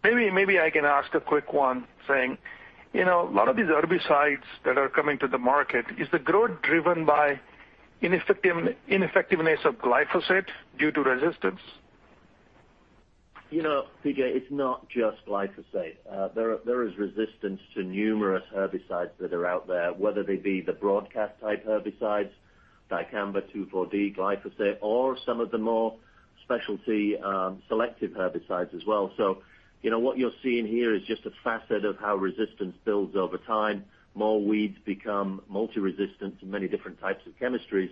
Speaker 2: Maybe I can ask a quick one saying, you know, a lot of these herbicides that are coming to the market, is the growth driven by ineffectiveness of glyphosate due to resistance? You know, PJ, it's not just glyphosate. There is resistance to numerous herbicides that are out there, whether they be the broadcast-type herbicides, dicamba, 2,4-D, glyphosate, or some of the more specialty selective herbicides as well. So, you know, what you're seeing here is just a facet of how resistance builds over time. More weeds become multi-resistant to many different types of chemistries.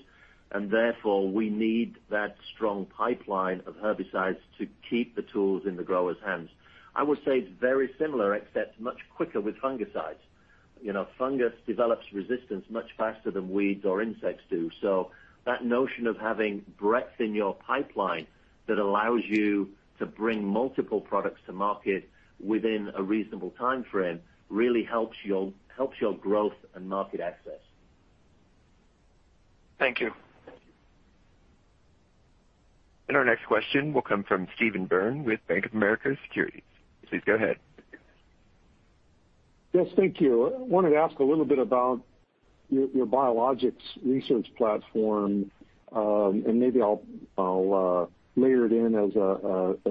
Speaker 2: And therefore, we need that strong pipeline of herbicides to keep the tools in the grower's hands. I would say it's very similar, except much quicker with fungicides. You know, fungus develops resistance much faster than weeds or insects do. So that notion of having breadth in your pipeline that allows you to bring multiple products to market within a reasonable time frame really helps your growth and market access.
Speaker 1: Thank you. And our next question will come from Stephen Byrne with Bank of America Securities. Please go ahead.
Speaker 5: Yes, thank you. I wanted to ask a little bit about your biologics research platform, and maybe I'll layer it in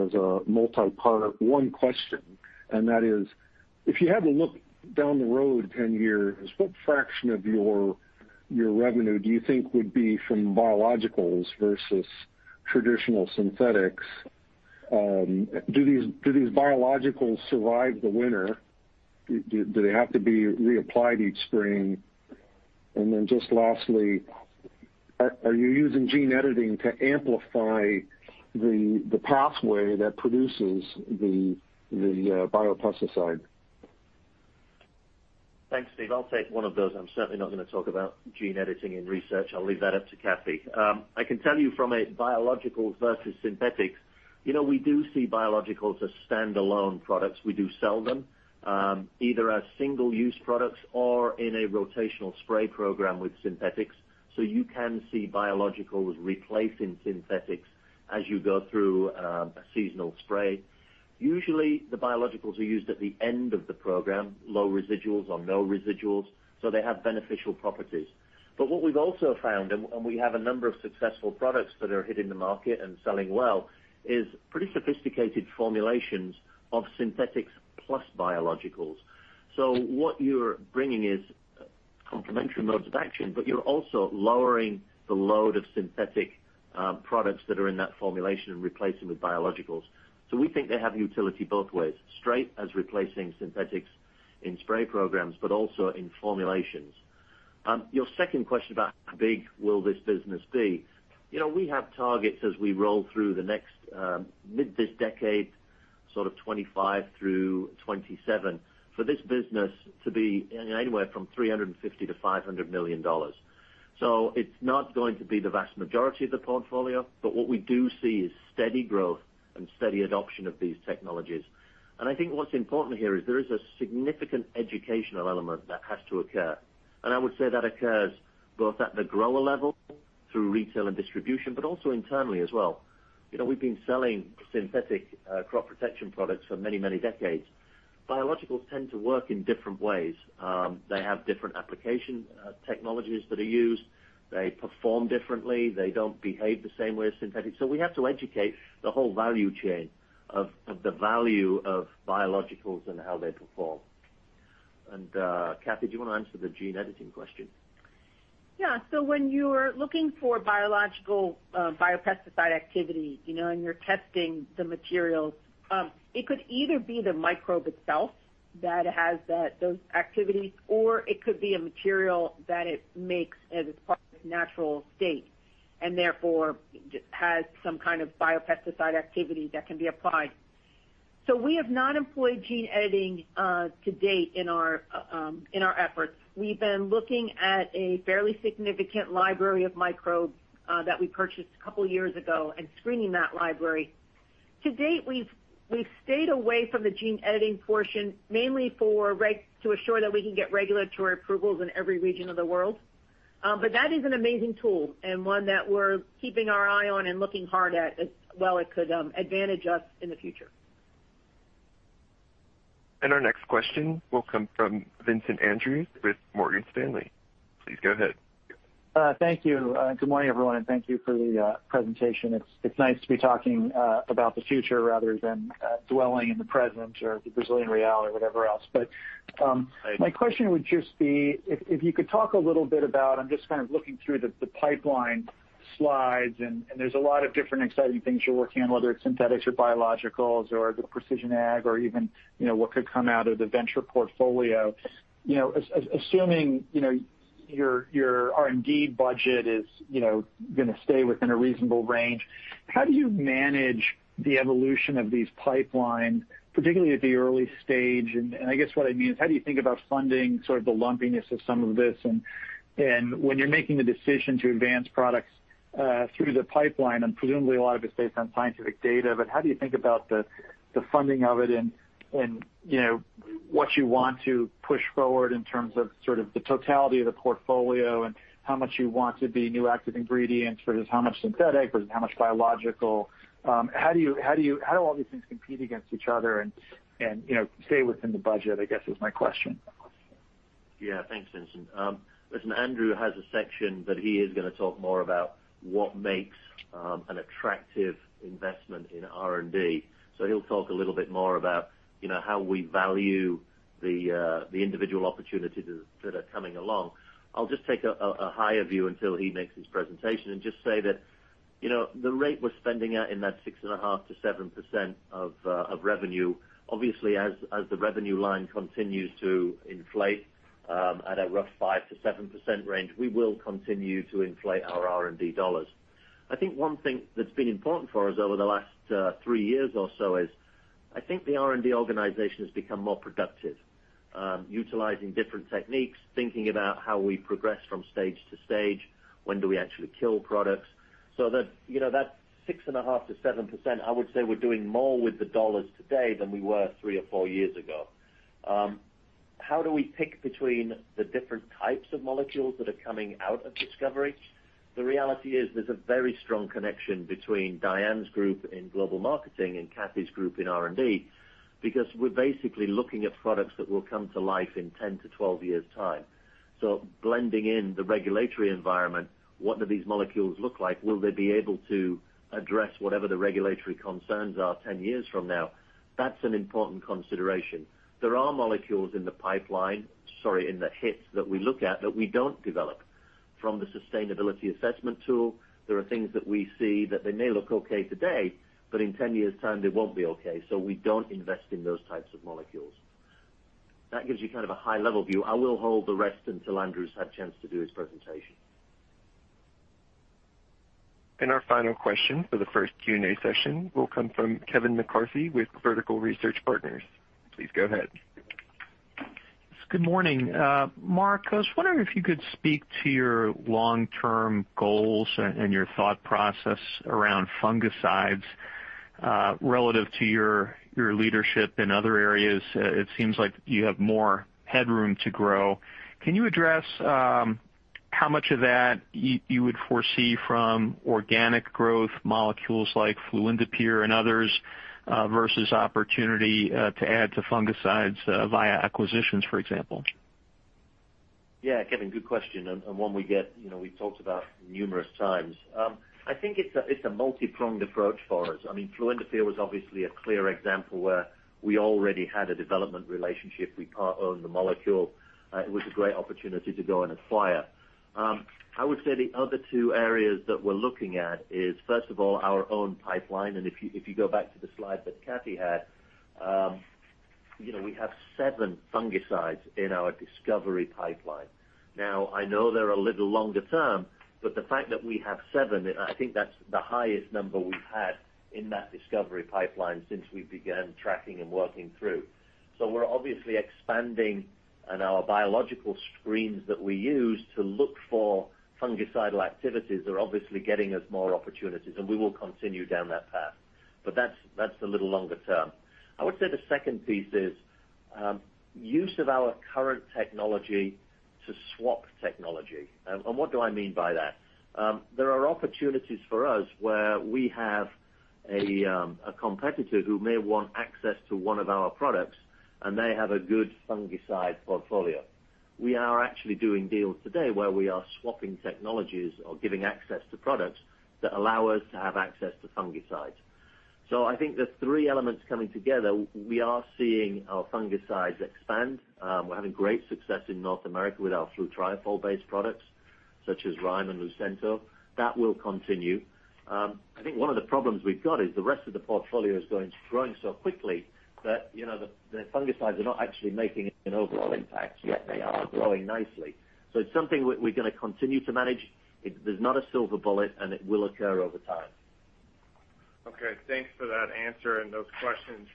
Speaker 5: as a multi-part one question. And that is, if you had to look down the road 10 years, what fraction of your revenue do you think would be from biologicals versus traditional synthetics? Do these biologicals survive the winter? Do they have to be reapplied each spring? And then just lastly, are you using gene editing to amplify the pathway that produces the biopesticide?
Speaker 2: Thanks, Steve. I'll take one of those. I'm certainly not going to talk about gene editing in research. I'll leave that up to Kathy. I can tell you from a biologicals versus synthetics, you know, we do see biologicals as stand-alone products. We do sell them either as single-use products or in a rotational spray program with synthetics. So you can see biologicals replacing synthetics as you go through a seasonal spray. Usually, the biologicals are used at the end of the program, low residuals or no residuals, so they have beneficial properties. But what we've also found, and we have a number of successful products that are hitting the market and selling well, is pretty sophisticated formulations of synthetics plus biologicals. So what you're bringing is complementary modes of action, but you're also lowering the load of synthetic products that are in that formulation and replacing with biologicals. So we think they have utility both ways, straight as replacing synthetics in spray programs, but also in formulations. Your second question about how big will this business be? You know, we have targets as we roll through the next mid this decade, sort of 2025 through 2027, for this business to be anywhere from $350-$500 million. So it's not going to be the vast majority of the portfolio, but what we do see is steady growth and steady adoption of these technologies. And I think what's important here is there is a significant educational element that has to occur. And I would say that occurs both at the grower level through retail and distribution, but also internally as well. You know, we've been selling synthetic crop protection products for many, many decades. Biologicals tend to work in different ways. They have different application technologies that are used. They perform differently. They don't behave the same way as synthetics. So we have to educate the whole value chain of the value of biologicals and how they perform. And Kathy, do you want to answer the gene editing question?
Speaker 4: Yeah. So when you're looking for biological biopesticide activity, you know, and you're testing the materials, it could either be the microbe itself that has those activities, or it could be a material that it makes as it's part of its natural state and therefore has some kind of biopesticide activity that can be applied. So we have not employed gene editing to date in our efforts. We've been looking at a fairly significant library of microbes that we purchased a couple of years ago and screening that library. To date, we've stayed away from the gene editing portion mainly to assure that we can get regulatory approvals in every region of the world. But that is an amazing tool and one that we're keeping our eye on and looking hard at as well as it could advantage us in the future.
Speaker 1: And our next question will come from Vincent Andrews with Morgan Stanley. Please go ahead.
Speaker 6: Thank you. Good morning, everyone, and thank you for the presentation. It's nice to be talking about the future rather than dwelling in the present or the Brazilian reality or whatever else. But my question would just be, if you could talk a little bit about, I'm just kind of looking through the pipeline slides, and there's a lot of different exciting things you're working on, whether it's synthetics or biologicals or the precision ag or even, you know, what could come out of the venture portfolio. You know, assuming, you know, your R&D budget is, you know, going to stay within a reasonable range, how do you manage the evolution of these pipelines, particularly at the early stage? And I guess what I mean is, how do you think about funding sort of the lumpiness of some of this? And when you're making the decision to advance products through the pipeline, and presumably a lot of it's based on scientific data, but how do you think about the funding of it and, you know, what you want to push forward in terms of sort of the totality of the portfolio and how much you want to be new active ingredients versus how much synthetic versus how much biological? How do you, how do all these things compete against each other and, you know, stay within the budget, I guess is my question.
Speaker 2: Yeah, thanks, Vincent. Listen, Andrew has a section that he is going to talk more about what makes an attractive investment in R&D. So he'll talk a little bit more about, you know, how we value the individual opportunities that are coming along. I'll just take a higher view until he makes his presentation and just say that, you know, the rate we're spending at in that 6.5%-7% of revenue, obviously as the revenue line continues to inflate at a rough 5%-7% range, we will continue to inflate our R&D dollars. I think one thing that's been important for us over the last three years or so is I think the R&D organization has become more productive, utilizing different techniques, thinking about how we progress from stage to stage, when do we actually kill products. So that, you know, that 6.5%-7%, I would say we're doing more with the dollars today than we were three or four years ago. How do we pick between the different types of molecules that are coming out of discovery? The reality is there's a very strong connection between Diane's group in global marketing and Kathy's group in R&D because we're basically looking at products that will come to life in 10 to 12 years' time. So blending in the regulatory environment, what do these molecules look like? Will they be able to address whatever the regulatory concerns are 10 years from now? That's an important consideration. There are molecules in the pipeline, sorry, in the hits that we look at that we don't develop from the sustainability assessment tool. There are things that we see that they may look okay today, but in 10 years' time they won't be okay. So we don't invest in those types of molecules. That gives you kind of a high-level view. I will hold the rest until Andrew's had a chance to do his presentation.
Speaker 1: And our final question for the first Q&A session will come from Kevin McCarthy with Vertical Research Partners. Please go ahead.
Speaker 7: Good morning. Mark, I was wondering if you could speak to your long-term goals and your thought process around fungicides relative to your leadership in other areas. It seems like you have more headroom to grow. Can you address how much of that you would foresee from organic growth molecules like Fluindapyr and others versus opportunity to add to fungicides via acquisitions, for example?
Speaker 3: Yeah, Kevin, good question. And one we get, you know, we've talked about numerous times. I think it's a multi-pronged approach for us. I mean, Fluindapyr was obviously a clear example where we already had a development relationship. We part-owned the molecule. It was a great opportunity to go and acquire. I would say the other two areas that we're looking at is, first of all, our own pipeline, and if you go back to the slide that Kathy had, you know, we have seven fungicides in our discovery pipeline. Now, I know they're a little longer term, but the fact that we have seven, I think that's the highest number we've had in that discovery pipeline since we began tracking and working through. So we're obviously expanding our biological screens that we use to look for fungicidal activities. They're obviously getting us more opportunities, and we will continue down that path. But that's a little longer term. I would say the second piece is use of our current technology to swap technology, and what do I mean by that? There are opportunities for us where we have a competitor who may want access to one of our products, and they have a good fungicide portfolio. We are actually doing deals today where we are swapping technologies or giving access to products that allow us to have access to fungicides. So I think the three elements coming together, we are seeing our fungicides expand. We're having great success in North America with our flutriafol-based products such as Rhyme and Lucento. That will continue. I think one of the problems we've got is the rest of the portfolio is going to be growing so quickly that, you know, the fungicides are not actually making an overall impact. Yet they are growing nicely. So it's something we're going to continue to manage. There's not a silver bullet, and it will occur over time.
Speaker 1: Okay. Thanks for that answer and those questions.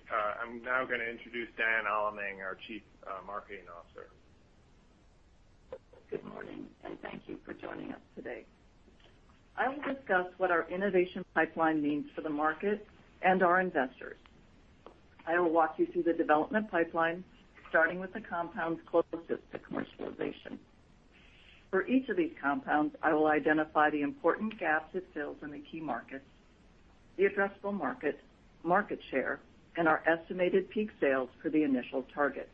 Speaker 1: I'm now going to introduce Diane Allemang, our Chief Marketing Officer.
Speaker 8: Good morning, and thank you for joining us today. I will discuss what our innovation pipeline means for the market and our investors. I will walk you through the development pipeline, starting with the compounds closest to commercialization. For each of these compounds, I will identify the important gaps it fills in the key markets, the addressable market, market share, and our estimated peak sales for the initial targets.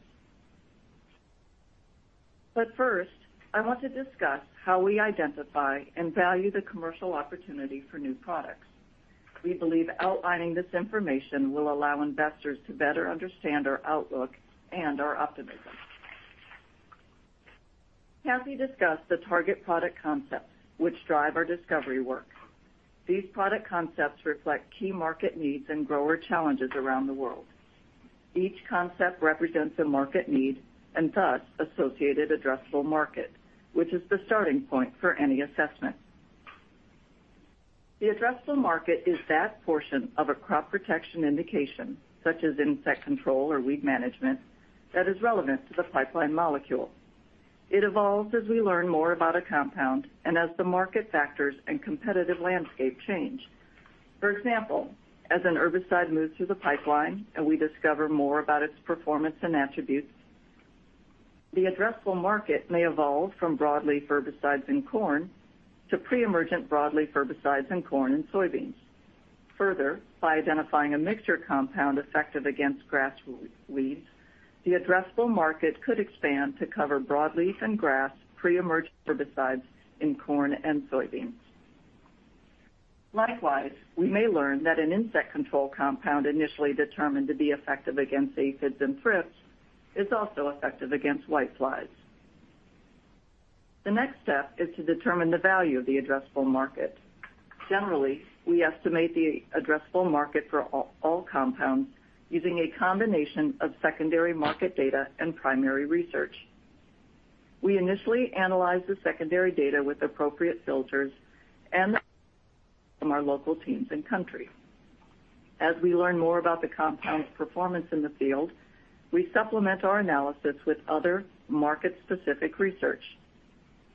Speaker 8: But first, I want to discuss how we identify and value the commercial opportunity for new products. We believe outlining this information will allow investors to better understand our outlook and our optimism. Kathy discussed the target product concepts, which drive our discovery work. These product concepts reflect key market needs and grower challenges around the world. Each concept represents a market need and thus associated addressable market, which is the starting point for any assessment. The addressable market is that portion of a crop protection indication, such as insect control or weed management, that is relevant to the pipeline molecule. It evolves as we learn more about a compound and as the market factors and competitive landscape change. For example, as an herbicide moves through the pipeline and we discover more about its performance and attributes, the addressable market may evolve from broadleaf herbicides in corn to pre-emergent broadleaf herbicides in corn and soybeans. Further, by identifying a mixture compound effective against grass weeds, the addressable market could expand to cover broadleaf and grass pre-emergent herbicides in corn and soybeans. Likewise, we may learn that an insect control compound initially determined to be effective against aphids and thrips is also effective against whiteflies. The next step is to determine the value of the addressable market. Generally, we estimate the addressable market for all compounds using a combination of secondary market data and primary research. We initially analyze the secondary data with appropriate filters and from our local teams and country. As we learn more about the compound's performance in the field, we supplement our analysis with other market-specific research.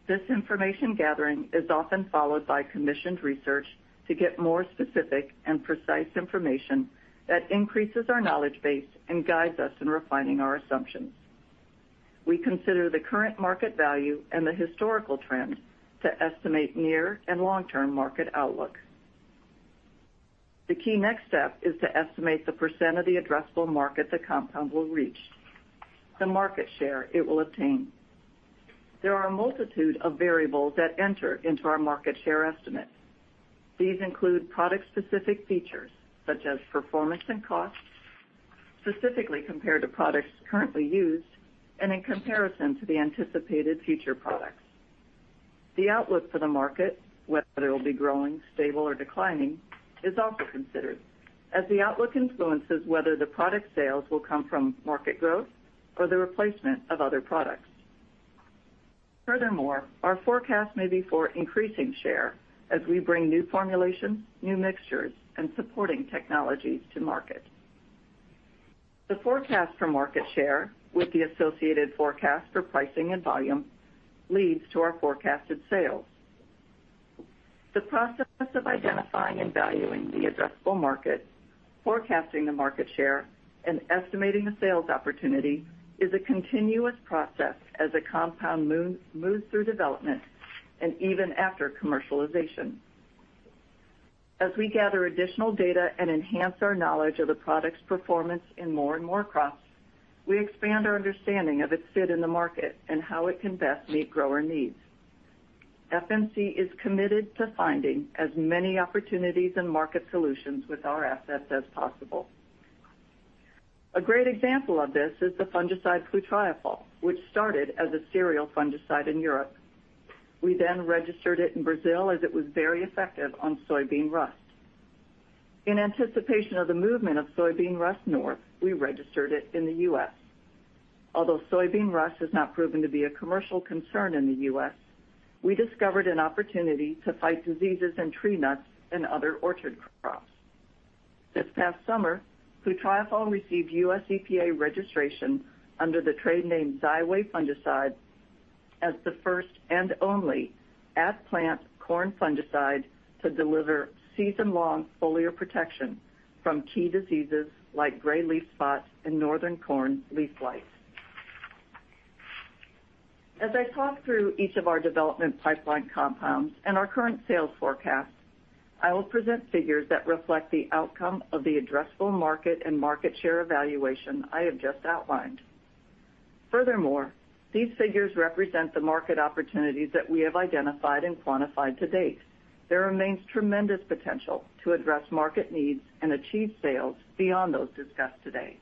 Speaker 8: This information gathering is often followed by commissioned research to get more specific and precise information that increases our knowledge base and guides us in refining our assumptions. We consider the current market value and the historical trend to estimate near and long-term market outlook. The key next step is to estimate the % of the addressable market the compound will reach, the market share it will obtain. There are a multitude of variables that enter into our market share estimate. These include product-specific features such as performance and cost, specifically compared to products currently used and in comparison to the anticipated future products. The outlook for the market, whether it will be growing, stable, or declining, is also considered, as the outlook influences whether the product sales will come from market growth or the replacement of other products. Furthermore, our forecast may be for increasing share as we bring new formulations, new mixtures, and supporting technologies to market. The forecast for market share with the associated forecast for pricing and volume leads to our forecasted sales. The process of identifying and valuing the addressable market, forecasting the market share, and estimating the sales opportunity is a continuous process as a compound moves through development and even after commercialization. As we gather additional data and enhance our knowledge of the product's performance in more and more crops, we expand our understanding of its fit in the market and how it can best meet grower needs. FMC is committed to finding as many opportunities and market solutions with our assets as possible. A great example of this is the fungicide Flutriafol, which started as a cereal fungicide in Europe. We then registered it in Brazil as it was very effective on soybean rust. In anticipation of the movement of soybean rust north, we registered it in the U.S. Although soybean rust has not proven to be a commercial concern in the U.S., we discovered an opportunity to fight diseases in tree nuts and other orchard crops. This past summer, flutriafol received U.S. EPA registration under the trade name Xyway fungicide as the first and only at-plant corn fungicide to deliver season-long foliar protection from key diseases like gray leaf spot and northern corn leaf blight. As I talk through each of our development pipeline compounds and our current sales forecast, I will present figures that reflect the outcome of the addressable market and market share evaluation I have just outlined. Furthermore, these figures represent the market opportunities that we have identified and quantified to date. There remains tremendous potential to address market needs and achieve sales beyond those discussed today,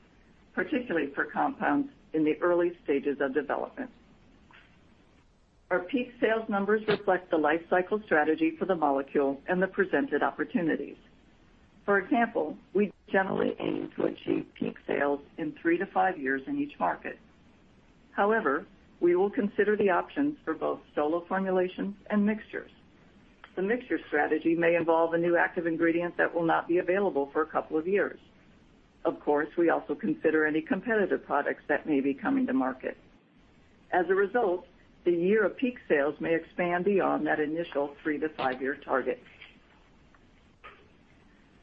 Speaker 8: particularly for compounds in the early stages of development. Our peak sales numbers reflect the life cycle strategy for the molecule and the presented opportunities. For example, we generally aim to achieve peak sales in three to five years in each market. However, we will consider the options for both solo formulations and mixtures. The mixture strategy may involve a new active ingredient that will not be available for a couple of years. Of course, we also consider any competitive products that may be coming to market. As a result, the year of peak sales may expand beyond that initial three to five-year target.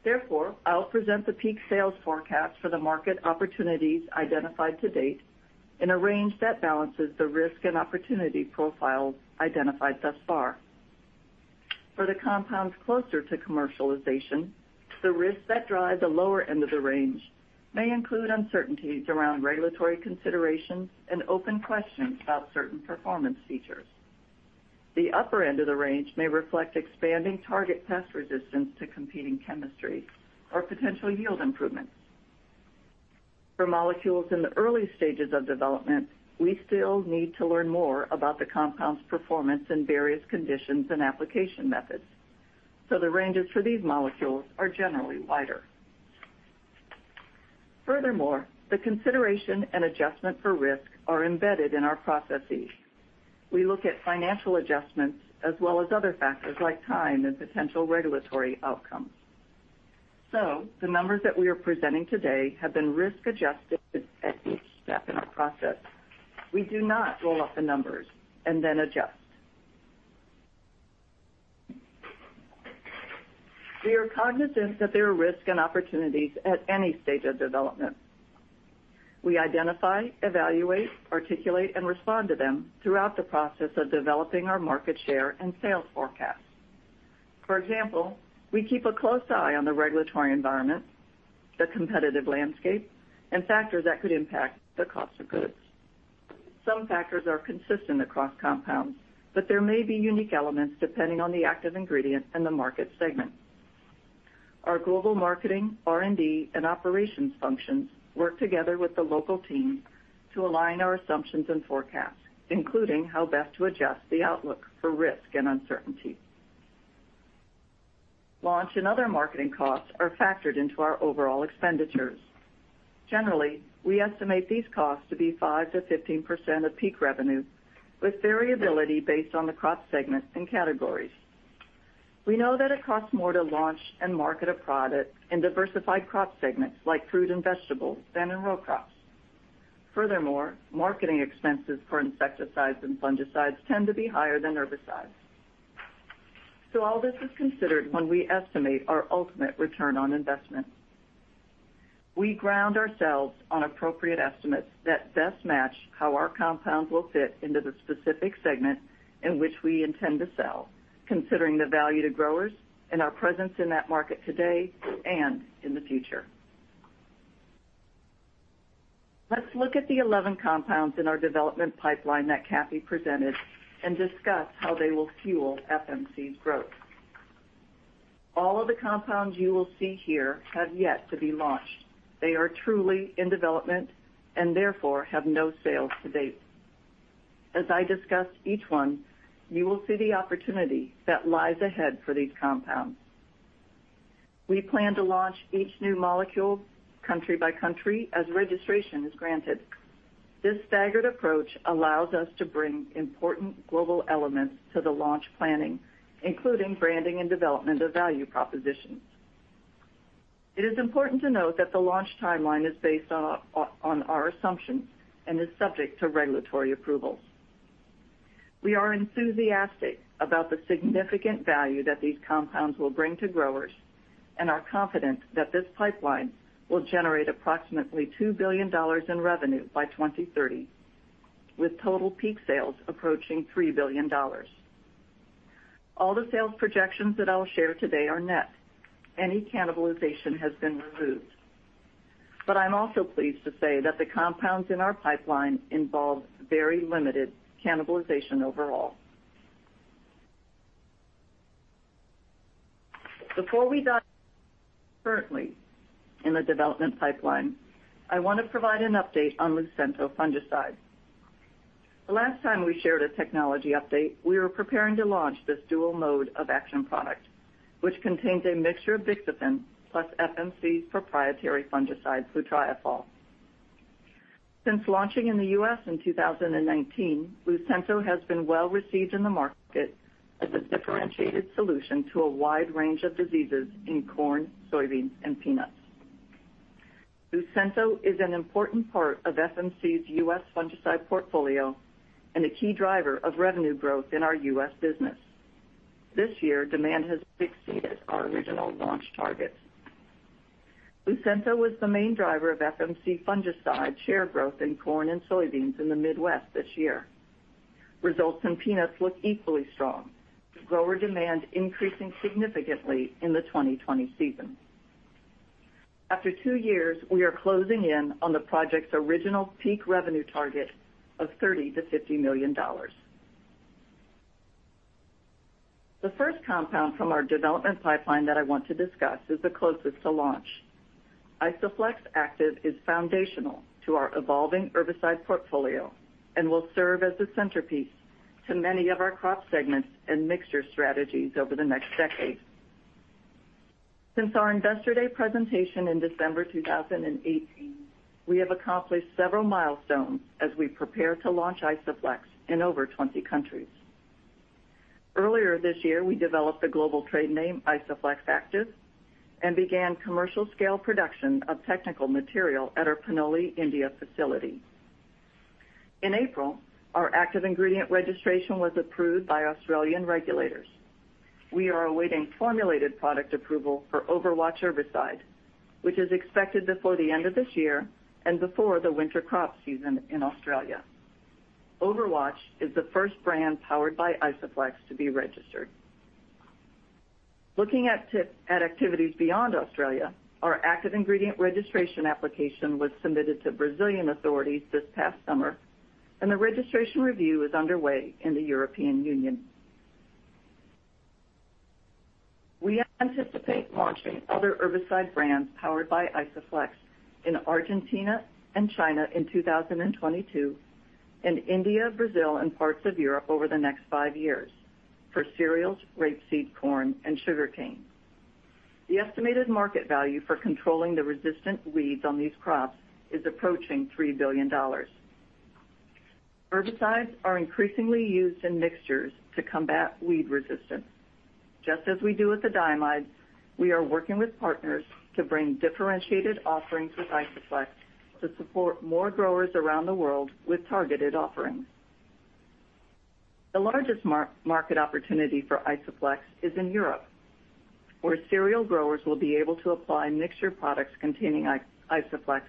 Speaker 8: Therefore, I'll present the peak sales forecast for the market opportunities identified to date in a range that balances the risk and opportunity profile identified thus far. For the compounds closer to commercialization, the risks that drive the lower end of the range may include uncertainties around regulatory considerations and open questions about certain performance features. The upper end of the range may reflect expanding target pest resistance to competing chemistry or potential yield improvements. For molecules in the early stages of development, we still need to learn more about the compound's performance in various conditions and application methods. So the ranges for these molecules are generally wider. Furthermore, the consideration and adjustment for risk are embedded in our processes. We look at financial adjustments as well as other factors like time and potential regulatory outcomes. So the numbers that we are presenting today have been risk-adjusted at each step in our process. We do not roll up the numbers and then adjust. We are cognizant that there are risks and opportunities at any stage of development. We identify, evaluate, articulate, and respond to them throughout the process of developing our market share and sales forecast. For example, we keep a close eye on the regulatory environment, the competitive landscape, and factors that could impact the cost of goods. Some factors are consistent across compounds, but there may be unique elements depending on the active ingredient and the market segment. Our global marketing, R&D, and operations functions work together with the local team to align our assumptions and forecasts, including how best to adjust the outlook for risk and uncertainty. Launch and other marketing costs are factored into our overall expenditures. Generally, we estimate these costs to be 5%-15% of peak revenue, with variability based on the crop segment and categories. We know that it costs more to launch and market a product in diversified crop segments like fruit and vegetables than in row crops. Furthermore, marketing expenses for insecticides and fungicides tend to be higher than herbicides. So all this is considered when we estimate our ultimate return on investment. We ground ourselves on appropriate estimates that best match how our compound will fit into the specific segment in which we intend to sell, considering the value to growers and our presence in that market today and in the future. Let's look at the 11 compounds in our development pipeline that Kathy presented and discuss how they will fuel FMC's growth. All of the compounds you will see here have yet to be launched. They are truly in development and therefore have no sales to date. As I discuss each one, you will see the opportunity that lies ahead for these compounds. We plan to launch each new molecule country by country as registration is granted. This staggered approach allows us to bring important global elements to the launch planning, including branding and development of value propositions. It is important to note that the launch timeline is based on our assumptions and is subject to regulatory approvals. We are enthusiastic about the significant value that these compounds will bring to growers and are confident that this pipeline will generate approximately $2 billion in revenue by 2030, with total peak sales approaching $3 billion. All the sales projections that I'll share today are net. Any cannibalization has been removed. I'm also pleased to say that the compounds in our pipeline involve very limited cannibalization overall. Before we dive into the current development pipeline, I want to provide an update on Lucento fungicide. The last time we shared a technology update, we were preparing to launch this dual mode of action product, which contains a mixture of bixafen plus FMC's proprietary fungicide flutriafol. Since launching in the U.S. in 2019, Lucento has been well received in the market as a differentiated solution to a wide range of diseases in corn, soybeans, and peanuts. Lucento is an important part of FMC's U.S. fungicide portfolio and a key driver of revenue growth in our U.S. business. This year, demand has exceeded our original launch targets. Lucento was the main driver of FMC fungicide share growth in corn and soybeans in the Midwest this year. Results in peanuts look equally strong, with grower demand increasing significantly in the 2020 season. After two years, we are closing in on the project's original peak revenue target of $30-$50 million. The first compound from our development pipeline that I want to discuss is the closest to launch. Isoflex Active is foundational to our evolving herbicide portfolio and will serve as the centerpiece to many of our crop segments and mixture strategies over the next decade. Since our Investor Day presentation in December 2018, we have accomplished several milestones as we prepare to launch Isoflex in over 20 countries. Earlier this year, we developed the global trade name Isoflex Active and began commercial-scale production of technical material at our Panoli, India, facility. In April, our active ingredient registration was approved by Australian regulators. We are awaiting formulated product approval for Overwatch Herbicide, which is expected before the end of this year and before the winter crop season in Australia. Overwatch is the first brand powered by Isoflex to be registered. Looking at activities beyond Australia, our active ingredient registration application was submitted to Brazilian authorities this past summer, and the registration review is underway in the European Union. We anticipate launching other herbicide brands powered by Isoflex in Argentina and China in 2022, and India, Brazil, and parts of Europe over the next five years for cereals, rapeseed, corn, and sugarcane. The estimated market value for controlling the resistant weeds on these crops is approaching $3 billion. Herbicides are increasingly used in mixtures to combat weed resistance. Just as we do with the diamides, we are working with partners to bring differentiated offerings with Isoflex to support more growers around the world with targeted offerings. The largest market opportunity for Isoflex is in Europe, where cereal growers will be able to apply mixture products containing Isoflex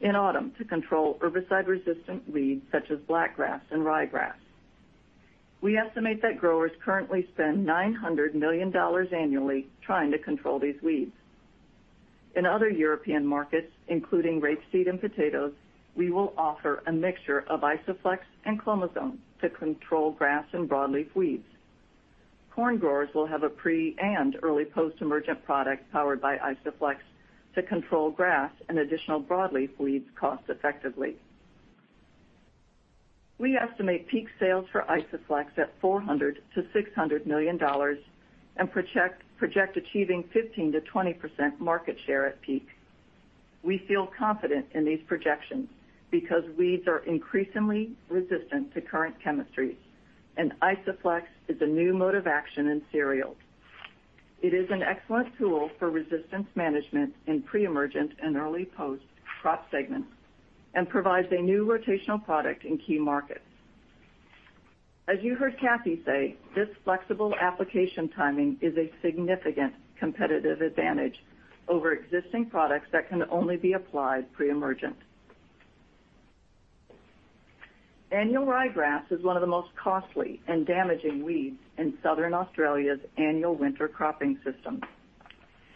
Speaker 8: in autumn to control herbicide-resistant weeds such as blackgrass and ryegrass. We estimate that growers currently spend $900 million annually trying to control these weeds. In other European markets, including rapeseed and potatoes, we will offer a mixture of Isoflex and clomazone to control grass and broadleaf weeds. Corn growers will have a pre- and early post-emergent product powered by Isoflex to control grass and additional broadleaf weeds cost-effectively. We estimate peak sales for Isoflex at $400-$600 million and project achieving 15%-20% market share at peak. We feel confident in these projections because weeds are increasingly resistant to current chemistries, and Isoflex is a new mode of action in cereals. It is an excellent tool for resistance management in pre-emergent and early post-crop segments and provides a new rotational product in key markets. As you heard Kathy say, this flexible application timing is a significant competitive advantage over existing products that can only be applied pre-emergent. Annual ryegrass is one of the most costly and damaging weeds in southern Australia's annual winter cropping system.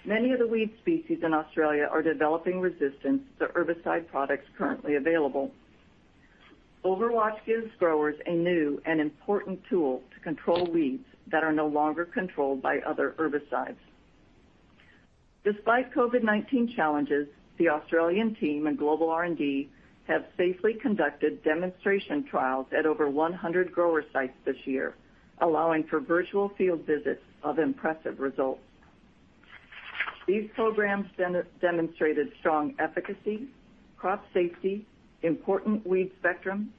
Speaker 8: Many of the weed species in Australia are developing resistance to herbicide products currently available. Overwatch gives growers a new and important tool to control weeds that are no longer controlled by other herbicides. Despite COVID-19 challenges, the Australian team and global R&D have safely conducted demonstration trials at over 100 grower sites this year, allowing for virtual field visits of impressive results. These programs demonstrated strong efficacy, crop safety, important weed spectrum,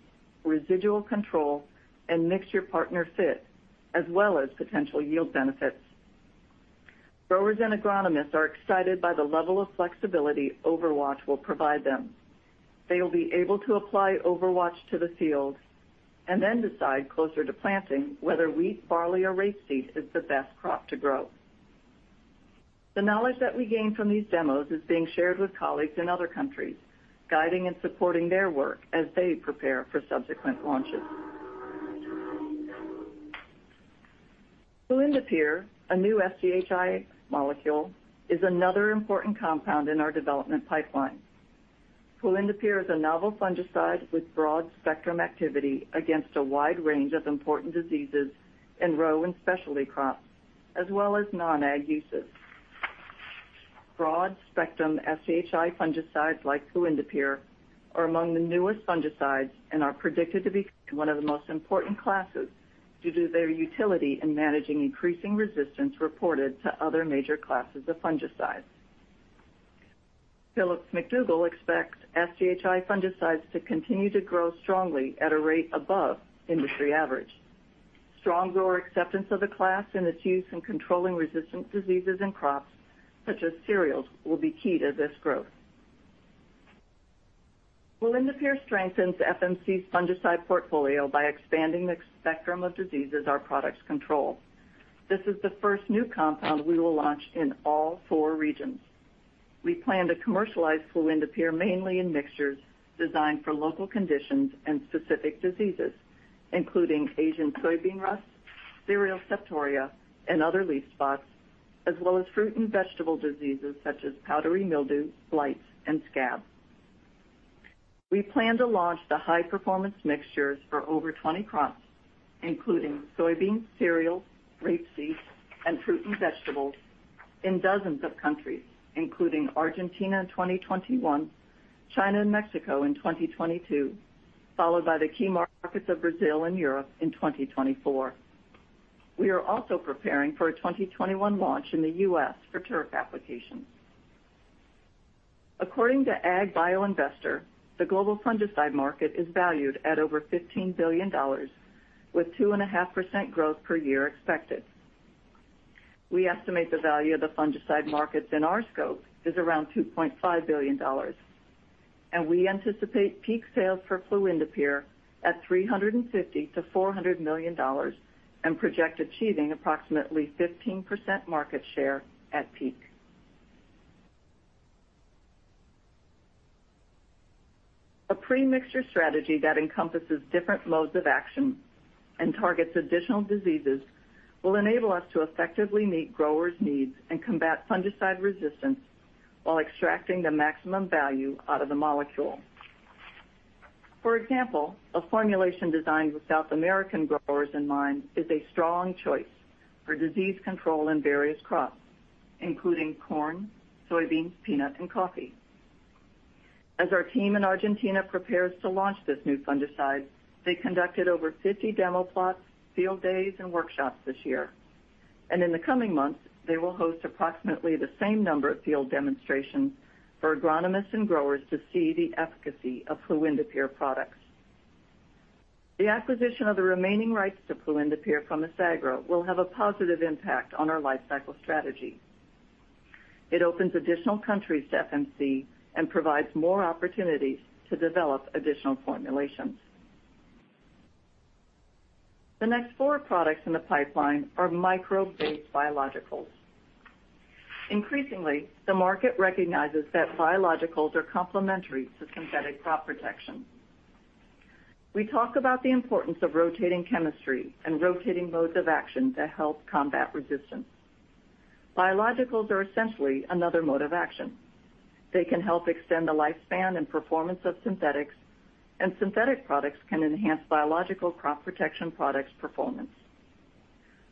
Speaker 8: residual control, and mixture partner fit, as well as potential yield benefits. Growers and agronomists are excited by the level of flexibility Overwatch will provide them. They will be able to apply Overwatch to the field and then decide closer to planting whether wheat, barley, or rapeseed is the best crop to grow. The knowledge that we gained from these demos is being shared with colleagues in other countries, guiding and supporting their work as they prepare for subsequent launches. Fluindapyr, a new SDHI molecule, is another important compound in our development pipeline. Fluindapyr is a novel fungicide with broad-spectrum activity against a wide range of important diseases in row and specialty crops, as well as non-ag uses. Broad-spectrum SDHI fungicides like Fluindapyr are among the newest fungicides and are predicted to become one of the most important classes due to their utility in managing increasing resistance reported to other major classes of fungicides. Phillips McDougall expects SDHI fungicides to continue to grow strongly at a rate above industry average. Strong grower acceptance of the class and its use in controlling resistant diseases in crops such as cereals will be key to this growth. Fluindapyr strengthens FMC's fungicide portfolio by expanding the spectrum of diseases our products control. This is the first new compound we will launch in all four regions. We plan to commercialize Fluindapyr mainly in mixtures designed for local conditions and specific diseases, including Asian soybean rust, cereal septoria, and other leaf spots, as well as fruit and vegetable diseases such as powdery mildew, blights, and scab. We plan to launch the high-performance mixtures for over 20 crops, including soybeans, cereals, rapeseed, and fruit and vegetables in dozens of countries, including Argentina in 2021, China and Mexico in 2022, followed by the key markets of Brazil and Europe in 2024. We are also preparing for a 2021 launch in the U.S. for turf applications. According to AgBioInvestor, the global fungicide market is valued at over $15 billion, with 2.5% growth per year expected. We estimate the value of the fungicide markets in our scope is around $2.5 billion, and we anticipate peak sales for Fluindapyr at $350-$400 million and project achieving approximately 15% market share at peak. A pre-mixture strategy that encompasses different modes of action and targets additional diseases will enable us to effectively meet growers' needs and combat fungicide resistance while extracting the maximum value out of the molecule. For example, a formulation designed with South American growers in mind is a strong choice for disease control in various crops, including corn, soybeans, peanut, and coffee. As our team in Argentina prepares to launch this new fungicide, they conducted over 50 demo plots, field days, and workshops this year, and in the coming months, they will host approximately the same number of field demonstrations for agronomists and growers to see the efficacy of Fluindapyr products. The acquisition of the remaining rights to fluindapyr from Isagro will have a positive impact on our life cycle strategy. It opens additional countries to FMC and provides more opportunities to develop additional formulations. The next four products in the pipeline are microbe-based biologicals. Increasingly, the market recognizes that biologicals are complementary to synthetic crop protection. We talk about the importance of rotating chemistry and rotating modes of action to help combat resistance. Biologicals are essentially another mode of action. They can help extend the lifespan and performance of synthetics, and synthetic products can enhance biological crop protection products' performance.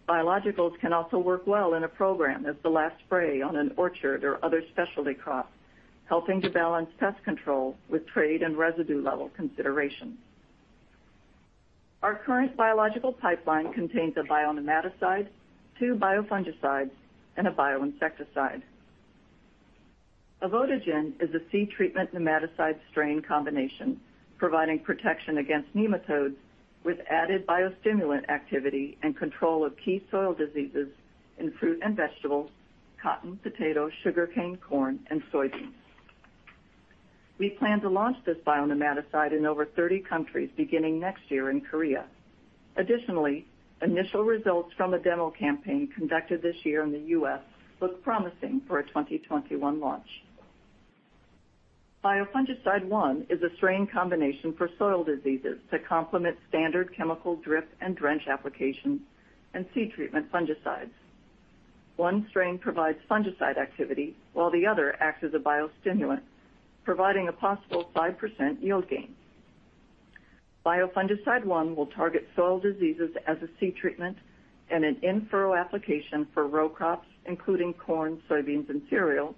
Speaker 8: Biologicals can also work well in a program as the last spray on an orchard or other specialty crop, helping to balance pest control with trade and residue level considerations. Our current biological pipeline contains a bionematicide, two biofungicides, and a bioinsecticide. Avodigen is a seed-treatment bionematicide strain combination providing protection against nematodes with added biostimulant activity and control of key soil diseases in fruit and vegetables, cotton, potato, sugarcane, corn, and soybeans. We plan to launch this bionematicide in over 30 countries beginning next year in Korea. Additionally, initial results from a demo campaign conducted this year in the U.S. look promising for a 2021 launch. Biofungicide One is a strain combination for soil diseases to complement standard chemical drip and drench applications and seed-treatment fungicides. One strain provides fungicide activity while the other acts as a biostimulant, providing a possible 5% yield gain. Biofungicide One will target soil diseases as a seed-treatment and an in-furrow application for row crops, including corn, soybeans, and cereals,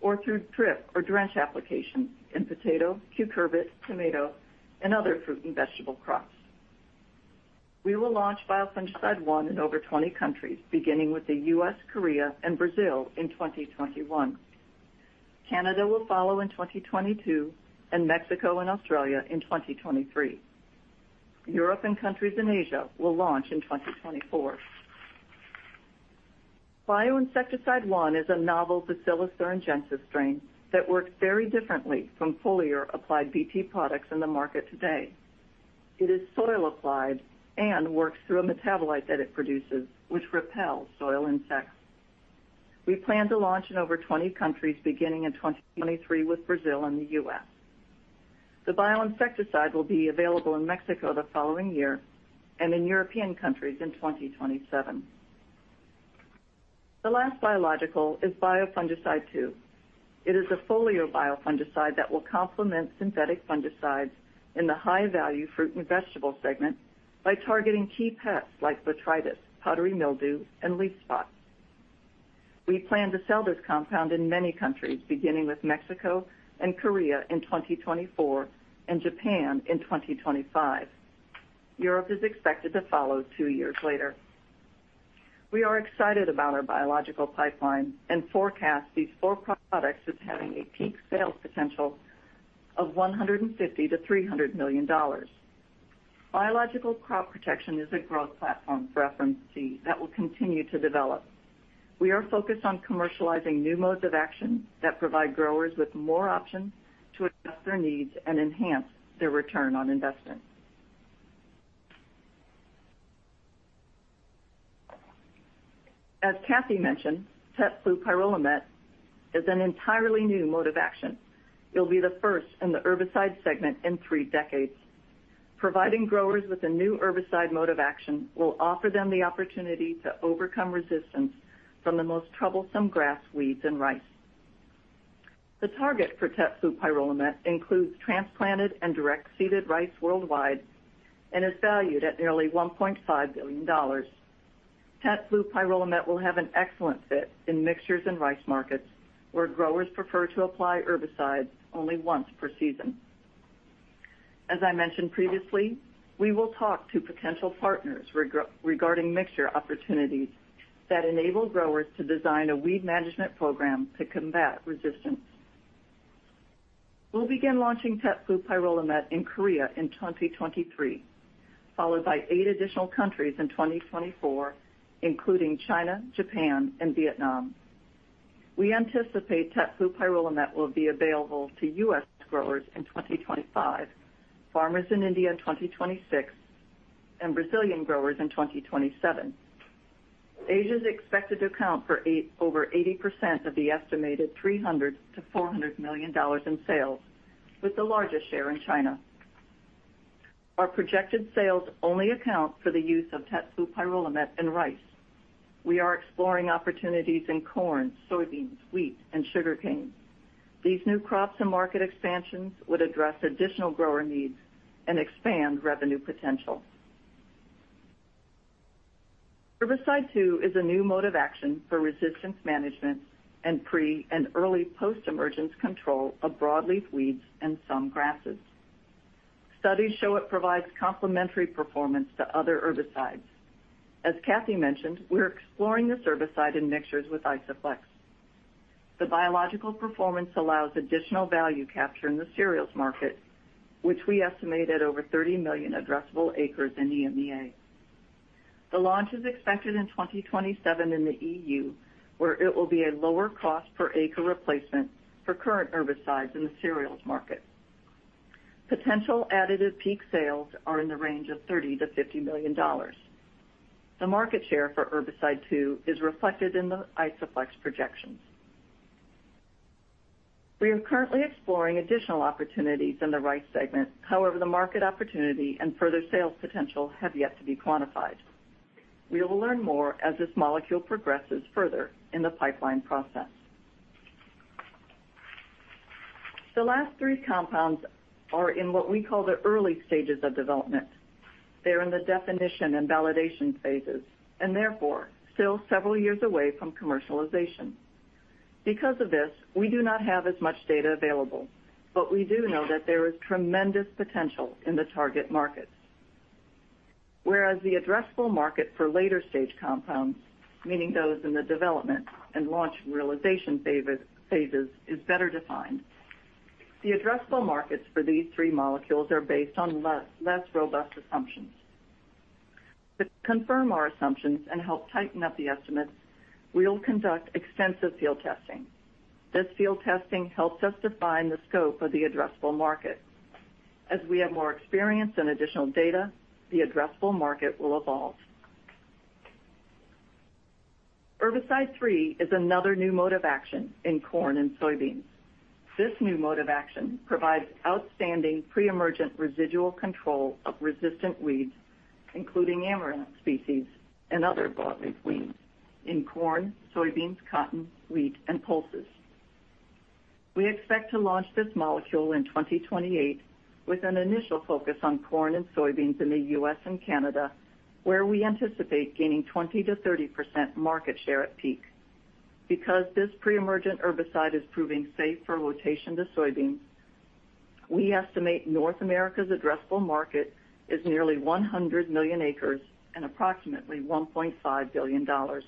Speaker 8: or through drip or drench applications in potato, cucurbit, tomato, and other fruit and vegetable crops. We will launch Biofungicide One in over 20 countries, beginning with the U.S., Korea, and Brazil in 2021. Canada will follow in 2022 and Mexico and Australia in 2023. Europe and countries in Asia will launch in 2024. Bioinsecticide One is a novel Bacillus thuringiensis strain that works very differently from foliar-applied Bt products in the market today. It is soil-applied and works through a metabolite that it produces, which repels soil insects. We plan to launch in over 20 countries beginning in 2023 with Brazil and the U.S. The bioinsecticide will be available in Mexico the following year and in European countries in 2027. The last biological is Biofungicide Two. It is a foliar biofungicide that will complement synthetic fungicides in the high-value fruit and vegetable segment by targeting key pests like botrytis, powdery mildew, and leaf spots. We plan to sell this compound in many countries, beginning with Mexico and Korea in 2024 and Japan in 2025. Europe is expected to follow two years later. We are excited about our biological pipeline and forecast these four products as having a peak sales potential of $150-$300 million. Biological crop protection is a growth platform for FMC that will continue to develop. We are focused on commercializing new modes of action that provide growers with more options to address their needs and enhance their return on investment. As Kathy mentioned, Tetflupyrolimet is an entirely new mode of action. It will be the first in the herbicide segment in three decades. Providing growers with a new herbicide mode of action will offer them the opportunity to overcome resistance from the most troublesome grass weeds and rice. The target for Tetflupyrolimet includes transplanted and direct-seeded rice worldwide and is valued at nearly $1.5 billion. Tetflupyrolimet will have an excellent fit in mixtures and rice markets where growers prefer to apply herbicides only once per season. As I mentioned previously, we will talk to potential partners regarding mixture opportunities that enable growers to design a weed management program to combat resistance. We'll begin launching Tetflupyrolimet in Korea in 2023, followed by eight additional countries in 2024, including China, Japan, and Vietnam. We anticipate Tetflupyrolimet will be available to U.S. growers in 2025, farmers in India in 2026, and Brazilian growers in 2027. Asia is expected to account for over 80% of the estimated $300-$400 million in sales, with the largest share in China. Our projected sales only account for the use of Tetflupyrolimet in rice. We are exploring opportunities in corn, soybeans, wheat, and sugarcane. These new crops and market expansions would address additional grower needs and expand revenue potential. Herbicide Two is a new mode of action for resistance management and pre- and early post-emergence control of broadleaf weeds and some grasses. Studies show it provides complementary performance to other herbicides. As Kathy mentioned, we're exploring this herbicide in mixtures with Isoflex. The biological performance allows additional value capture in the cereals market, which we estimate at over 30 million addressable acres in EMEA. The launch is expected in 2027 in the EU, where it will be a lower cost per acre replacement for current herbicides in the cereals market. Potential additive peak sales are in the range of $30-$50 million. The market share for Herbicide Two is reflected in the Isoflex projections. We are currently exploring additional opportunities in the rice segment. However, the market opportunity and further sales potential have yet to be quantified. We will learn more as this molecule progresses further in the pipeline process. The last three compounds are in what we call the early stages of development. They are in the definition and validation phases and therefore still several years away from commercialization. Because of this, we do not have as much data available, but we do know that there is tremendous potential in the target markets. Whereas the addressable market for later-stage compounds, meaning those in the development and launch realization phases, is better defined, the addressable markets for these three molecules are based on less robust assumptions. To confirm our assumptions and help tighten up the estimates, we'll conduct extensive field testing. This field testing helps us define the scope of the addressable market. As we have more experience and additional data, the addressable market will evolve. Herbicide Three is another new mode of action in corn and soybeans. This new mode of action provides outstanding pre-emergent residual control of resistant weeds, including Amaranth species and other broadleaf weeds, in corn, soybeans, cotton, wheat, and pulses. We expect to launch this molecule in 2028 with an initial focus on corn and soybeans in the U.S. and Canada, where we anticipate gaining 20%-30% market share at peak. Because this pre-emergent herbicide is proving safe for rotation to soybeans, we estimate North America's addressable market is nearly 100 million acres and approximately $1.5 billion. The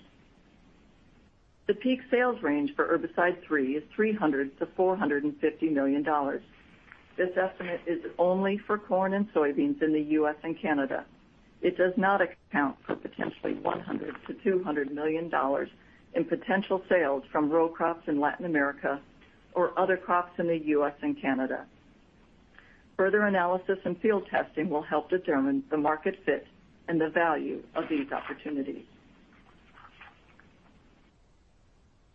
Speaker 8: peak sales range for Herbicide Three is $300-$450 million. This estimate is only for corn and soybeans in the U.S. and Canada. It does not account for potentially $100-$200 million in potential sales from row crops in Latin America or other crops in the U.S. and Canada. Further analysis and field testing will help determine the market fit and the value of these opportunities.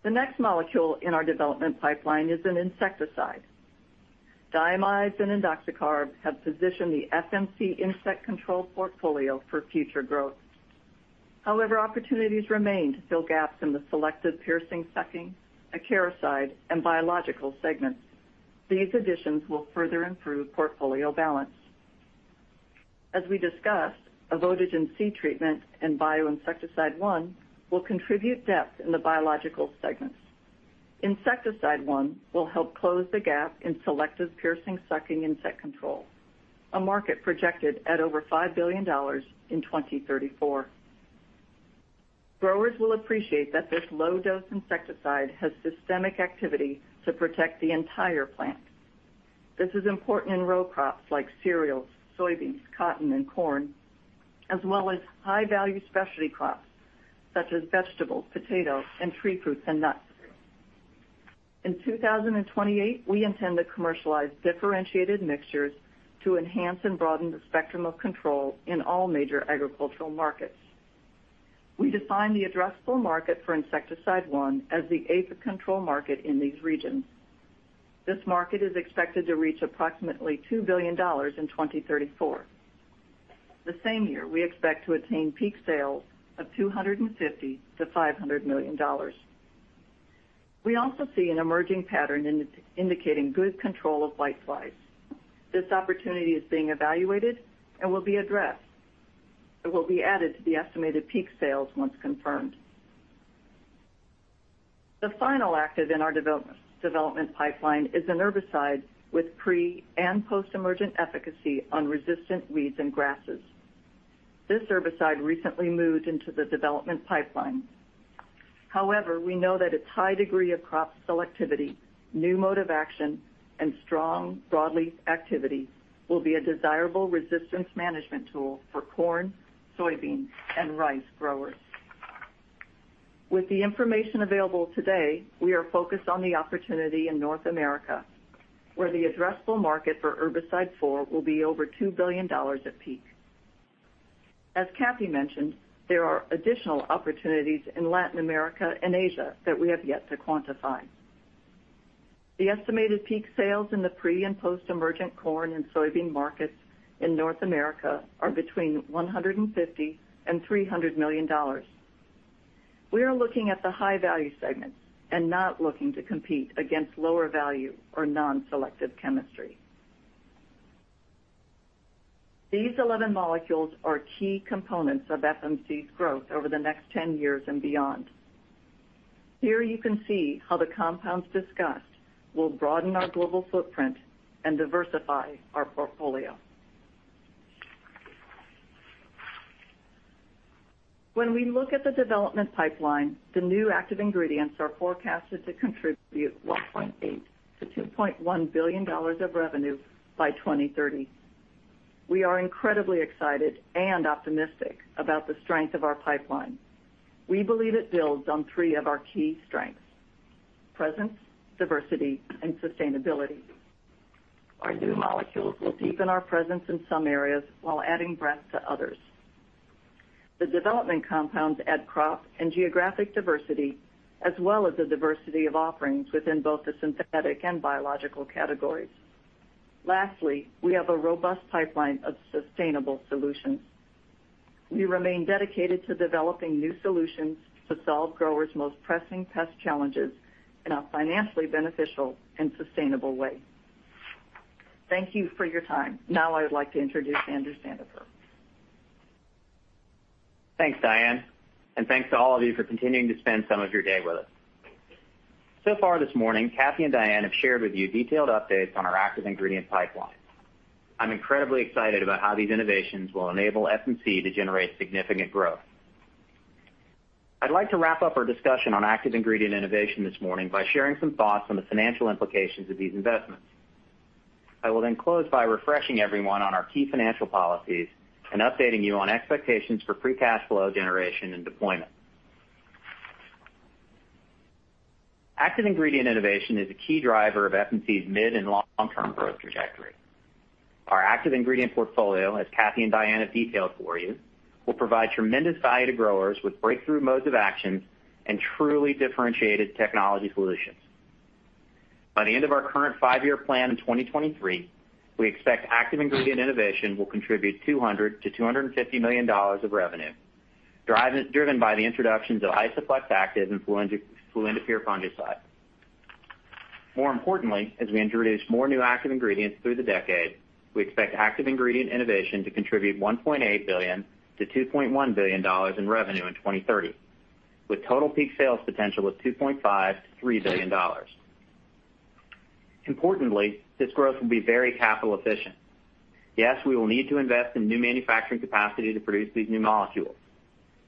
Speaker 8: The next molecule in our development pipeline is an insecticide. Diamides and indoxacarb have positioned the FMC insect control portfolio for future growth. However, opportunities remain to fill gaps in the selective piercing-sucking, acaricide, and biological segments. These additions will further improve portfolio balance. As we discussed, Avodigen seed treatment and Bioinsecticide One will contribute depth in the biological segments. Insecticide One will help close the gap in selective piercing-sucking insect control, a market projected at over $5 billion in 2034. Growers will appreciate that this low-dose insecticide has systemic activity to protect the entire plant. This is important in row crops like cereals, soybeans, cotton, and corn, as well as high-value specialty crops such as vegetables, potatoes, and tree fruits and nuts. In 2028, we intend to commercialize differentiated mixtures to enhance and broaden the spectrum of control in all major agricultural markets. We define the addressable market for Insecticide One as the aphid control market in these regions. This market is expected to reach approximately $2 billion in 2034. The same year, we expect to attain peak sales of $250-$500 million. We also see an emerging pattern indicating good control of whiteflies. This opportunity is being evaluated and will be addressed. It will be added to the estimated peak sales once confirmed. The final active in our development pipeline is an herbicide with pre- and post-emergent efficacy on resistant weeds and grasses. This herbicide recently moved into the development pipeline. However, we know that its high degree of crop selectivity, new mode of action, and strong broadleaf activity will be a desirable resistance management tool for corn, soybean, and rice growers. With the information available today, we are focused on the opportunity in North America, where the addressable market for Herbicide Four will be over $2 billion at peak. As Kathy mentioned, there are additional opportunities in Latin America and Asia that we have yet to quantify. The estimated peak sales in the pre- and post-emergent corn and soybean markets in North America are between $150 and $300 million. We are looking at the high-value segments and not looking to compete against lower-value or non-selective chemistry. These 11 molecules are key components of FMC's growth over the next 10 years and beyond. Here you can see how the compounds discussed will broaden our global footprint and diversify our portfolio. When we look at the development pipeline, the new active ingredients are forecasted to contribute $1.8-$2.1 billion of revenue by 2030. We are incredibly excited and optimistic about the strength of our pipeline. We believe it builds on three of our key strengths: presence, diversity, and sustainability. Our new molecules will deepen our presence in some areas while adding breadth to others. The development compounds add crop and geographic diversity, as well as the diversity of offerings within both the synthetic and biological categories. Lastly, we have a robust pipeline of sustainable solutions. We remain dedicated to developing new solutions to solve growers' most pressing pest challenges in a financially beneficial and sustainable way. Thank you for your time. Now I would like to introduce Andrew Sandifer.
Speaker 9: Thanks, Diane, and thanks to all of you for continuing to spend some of your day with us. So far this morning, Kathy and Diane have shared with you detailed updates on our active ingredient pipeline. I'm incredibly excited about how these innovations will enable FMC to generate significant growth. I'd like to wrap up our discussion on active ingredient innovation this morning by sharing some thoughts on the financial implications of these investments. I will then close by refreshing everyone on our key financial policies and updating you on expectations for free cash flow generation and deployment. Active ingredient innovation is a key driver of FMC's mid and long-term growth trajectory. Our active ingredient portfolio, as Kathy and Diane have detailed for you, will provide tremendous value to growers with breakthrough modes of action and truly differentiated technology solutions. By the end of our current five-year plan in 2023, we expect active ingredient innovation will contribute $200-$250 million of revenue, driven by the introductions of Isoflex Active and Fluindapyr fungicide. More importantly, as we introduce more new active ingredients through the decade, we expect active ingredient innovation to contribute $1.8-$2.1 billion in revenue in 2030, with total peak sales potential of $2.5-$3 billion. Importantly, this growth will be very capital efficient. Yes, we will need to invest in new manufacturing capacity to produce these new molecules.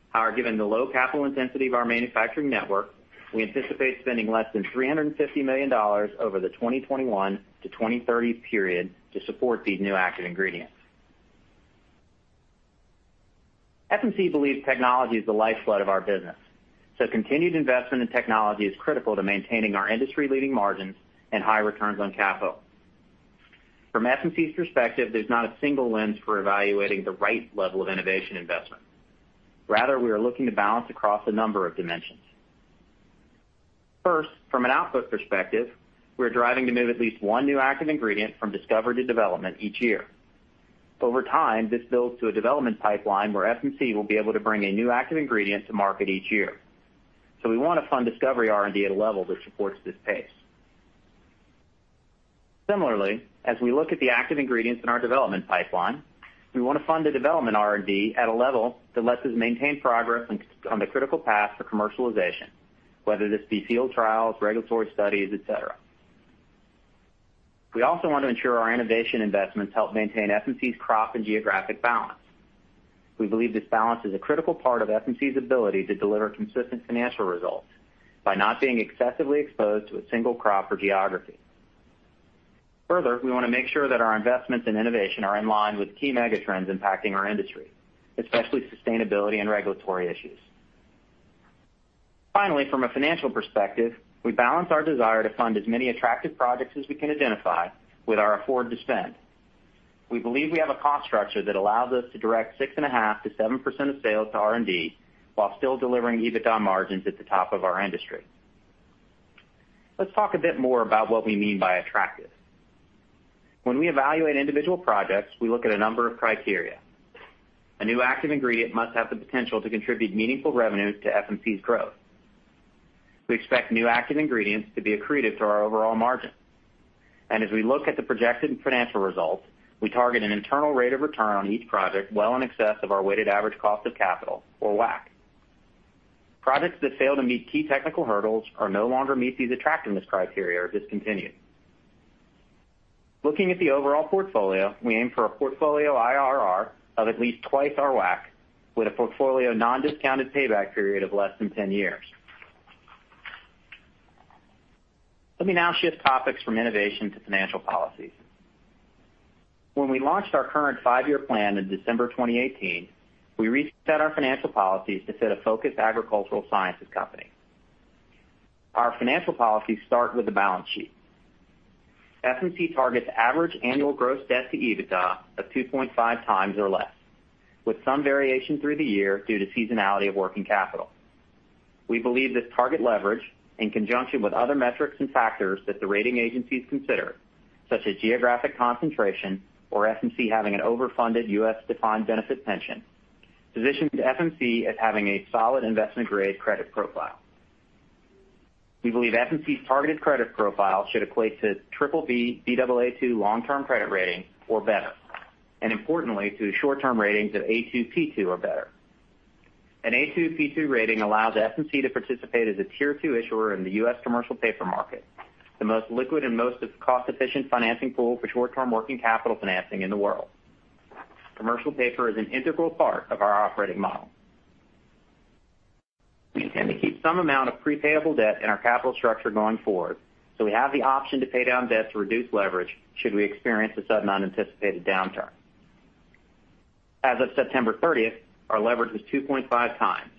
Speaker 9: However, given the low capital intensity of our manufacturing network, we anticipate spending less than $350 million over the 2021 to 2030 period to support these new active ingredients. FMC believes technology is the lifeblood of our business, so continued investment in technology is critical to maintaining our industry-leading margins and high returns on capital. From FMC's perspective, there's not a single lens for evaluating the right level of innovation investment. Rather, we are looking to balance across a number of dimensions. First, from an output perspective, we're driving to move at least one new active ingredient from discovery to development each year. Over time, this builds to a development pipeline where FMC will be able to bring a new active ingredient to market each year. So we want to fund discovery R&D at a level that supports this pace. Similarly, as we look at the active ingredients in our development pipeline, we want to fund the development R&D at a level that lets us maintain progress on the critical path for commercialization, whether this be field trials, regulatory studies, etc. We also want to ensure our innovation investments help maintain FMC's crop and geographic balance. We believe this balance is a critical part of FMC's ability to deliver consistent financial results by not being excessively exposed to a single crop or geography. Further, we want to make sure that our investments in innovation are in line with key megatrends impacting our industry, especially sustainability and regulatory issues. Finally, from a financial perspective, we balance our desire to fund as many attractive projects as we can identify with our ability to afford to spend. We believe we have a cost structure that allows us to direct 6.5%-7% of sales to R&D while still delivering EBITDA margins at the top of our industry. Let's talk a bit more about what we mean by attractive. When we evaluate individual projects, we look at a number of criteria. A new active ingredient must have the potential to contribute meaningful revenue to FMC's growth. We expect new active ingredients to be accretive to our overall margin, and as we look at the projected financial results, we target an internal rate of return on each project well in excess of our weighted average cost of capital, or WACC. Projects that fail to meet key technical hurdles or no longer meet these attractiveness criteria are discontinued. Looking at the overall portfolio, we aim for a portfolio IRR of at least twice our WACC, with a portfolio non-discounted payback period of less than 10 years. Let me now shift topics from innovation to financial policies. When we launched our current five-year plan in December 2018, we reset our financial policies to fit a focused agricultural sciences company. Our financial policies start with the balance sheet. FMC targets average annual gross debt to EBITDA of 2.5 times or less, with some variation through the year due to seasonality of working capital. We believe this target leverage, in conjunction with other metrics and factors that the rating agencies consider, such as geographic concentration or FMC having an overfunded U.S. defined benefit pension, positions FMC as having a solid investment-grade credit profile. We believe FMC's targeted credit profile should equate to BBB/Baa2 long-term credit rating or better, and importantly, to short-term ratings of A2/P2 or better. An A2/P2 rating allows FMC to participate as a tier two issuer in the U.S. commercial paper market, the most liquid and most cost-efficient financing pool for short-term working capital financing in the world. Commercial paper is an integral part of our operating model. We intend to keep some amount of prepayable debt in our capital structure going forward, so we have the option to pay down debt to reduce leverage should we experience a sudden unanticipated downturn. As of September 30th, our leverage was 2.5 times.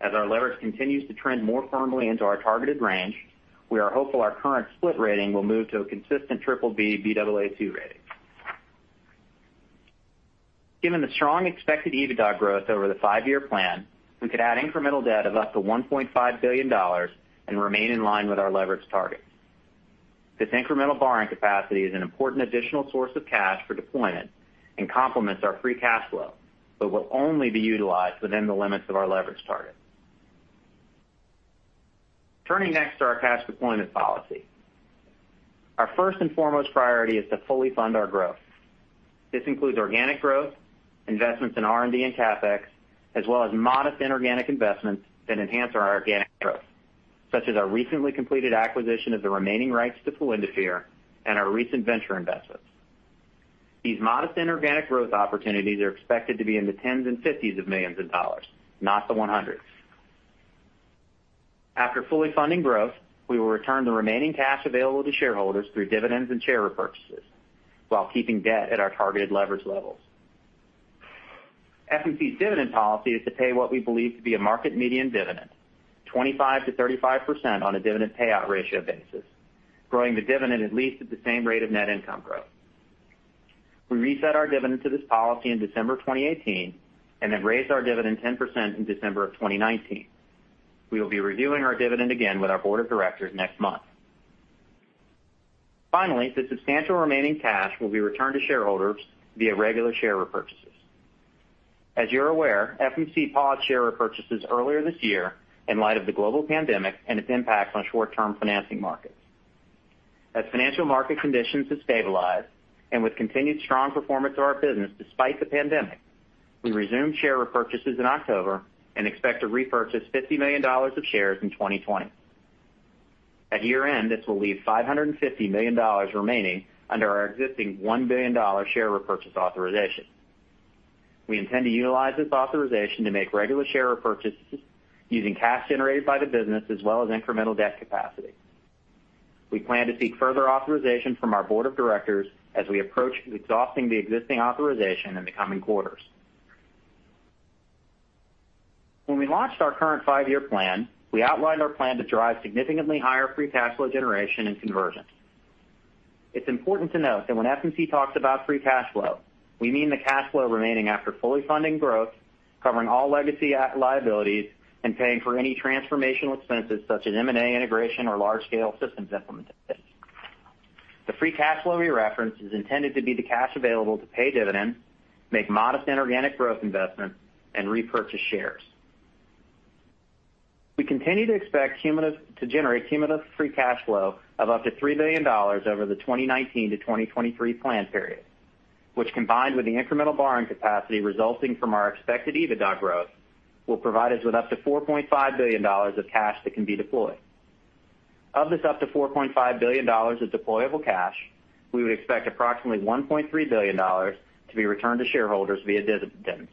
Speaker 9: As our leverage continues to trend more firmly into our targeted range, we are hopeful our current split rating will move to a consistent BBB/Baa2 rating. Given the strong expected EBITDA growth over the five-year plan, we could add incremental debt of up to $1.5 billion and remain in line with our leverage target. This incremental borrowing capacity is an important additional source of cash for deployment and complements our free cash flow, but will only be utilized within the limits of our leverage target. Turning next to our cash deployment policy. Our first and foremost priority is to fully fund our growth. This includes organic growth, investments in R&D and CapEx, as well as modest inorganic investments that enhance our organic growth, such as our recently completed acquisition of the remaining rights to Fluindapyr and our recent venture investments. These modest inorganic growth opportunities are expected to be in the tens and fifties of millions of dollars, not the 100s. After fully funding growth, we will return the remaining cash available to shareholders through dividends and share repurchases while keeping debt at our targeted leverage levels. FMC's dividend policy is to pay what we believe to be a market median dividend, 25%-35% on a dividend payout ratio basis, growing the dividend at least at the same rate of net income growth. We reset our dividend to this policy in December 2018 and then raised our dividend 10% in December of 2019. We will be reviewing our dividend again with our board of directors next month. Finally, the substantial remaining cash will be returned to shareholders via regular share repurchases. As you're aware, FMC paused share repurchases earlier this year in light of the global pandemic and its impact on short-term financing markets. As financial market conditions have stabilized and with continued strong performance of our business despite the pandemic, we resumed share repurchases in October and expect to repurchase $50 million of shares in 2020. At year-end, this will leave $550 million remaining under our existing $1 billion share repurchase authorization. We intend to utilize this authorization to make regular share repurchases using cash generated by the business as well as incremental debt capacity. We plan to seek further authorization from our board of directors as we approach exhausting the existing authorization in the coming quarters. When we launched our current five-year plan, we outlined our plan to drive significantly higher free cash flow generation and conversions. It's important to note that when FMC talks about free cash flow, we mean the cash flow remaining after fully funding growth, covering all legacy liabilities and paying for any transformational expenses such as M&A integration or large-scale systems implementation. The free cash flow we reference is intended to be the cash available to pay dividends, make modest inorganic growth investments, and repurchase shares. We continue to expect to generate cumulative free cash flow of up to $3 billion over the 2019 to 2023 plan period, which combined with the incremental borrowing capacity resulting from our expected EBITDA growth will provide us with up to $4.5 billion of cash that can be deployed. Of this up to $4.5 billion of deployable cash, we would expect approximately $1.3 billion to be returned to shareholders via dividends,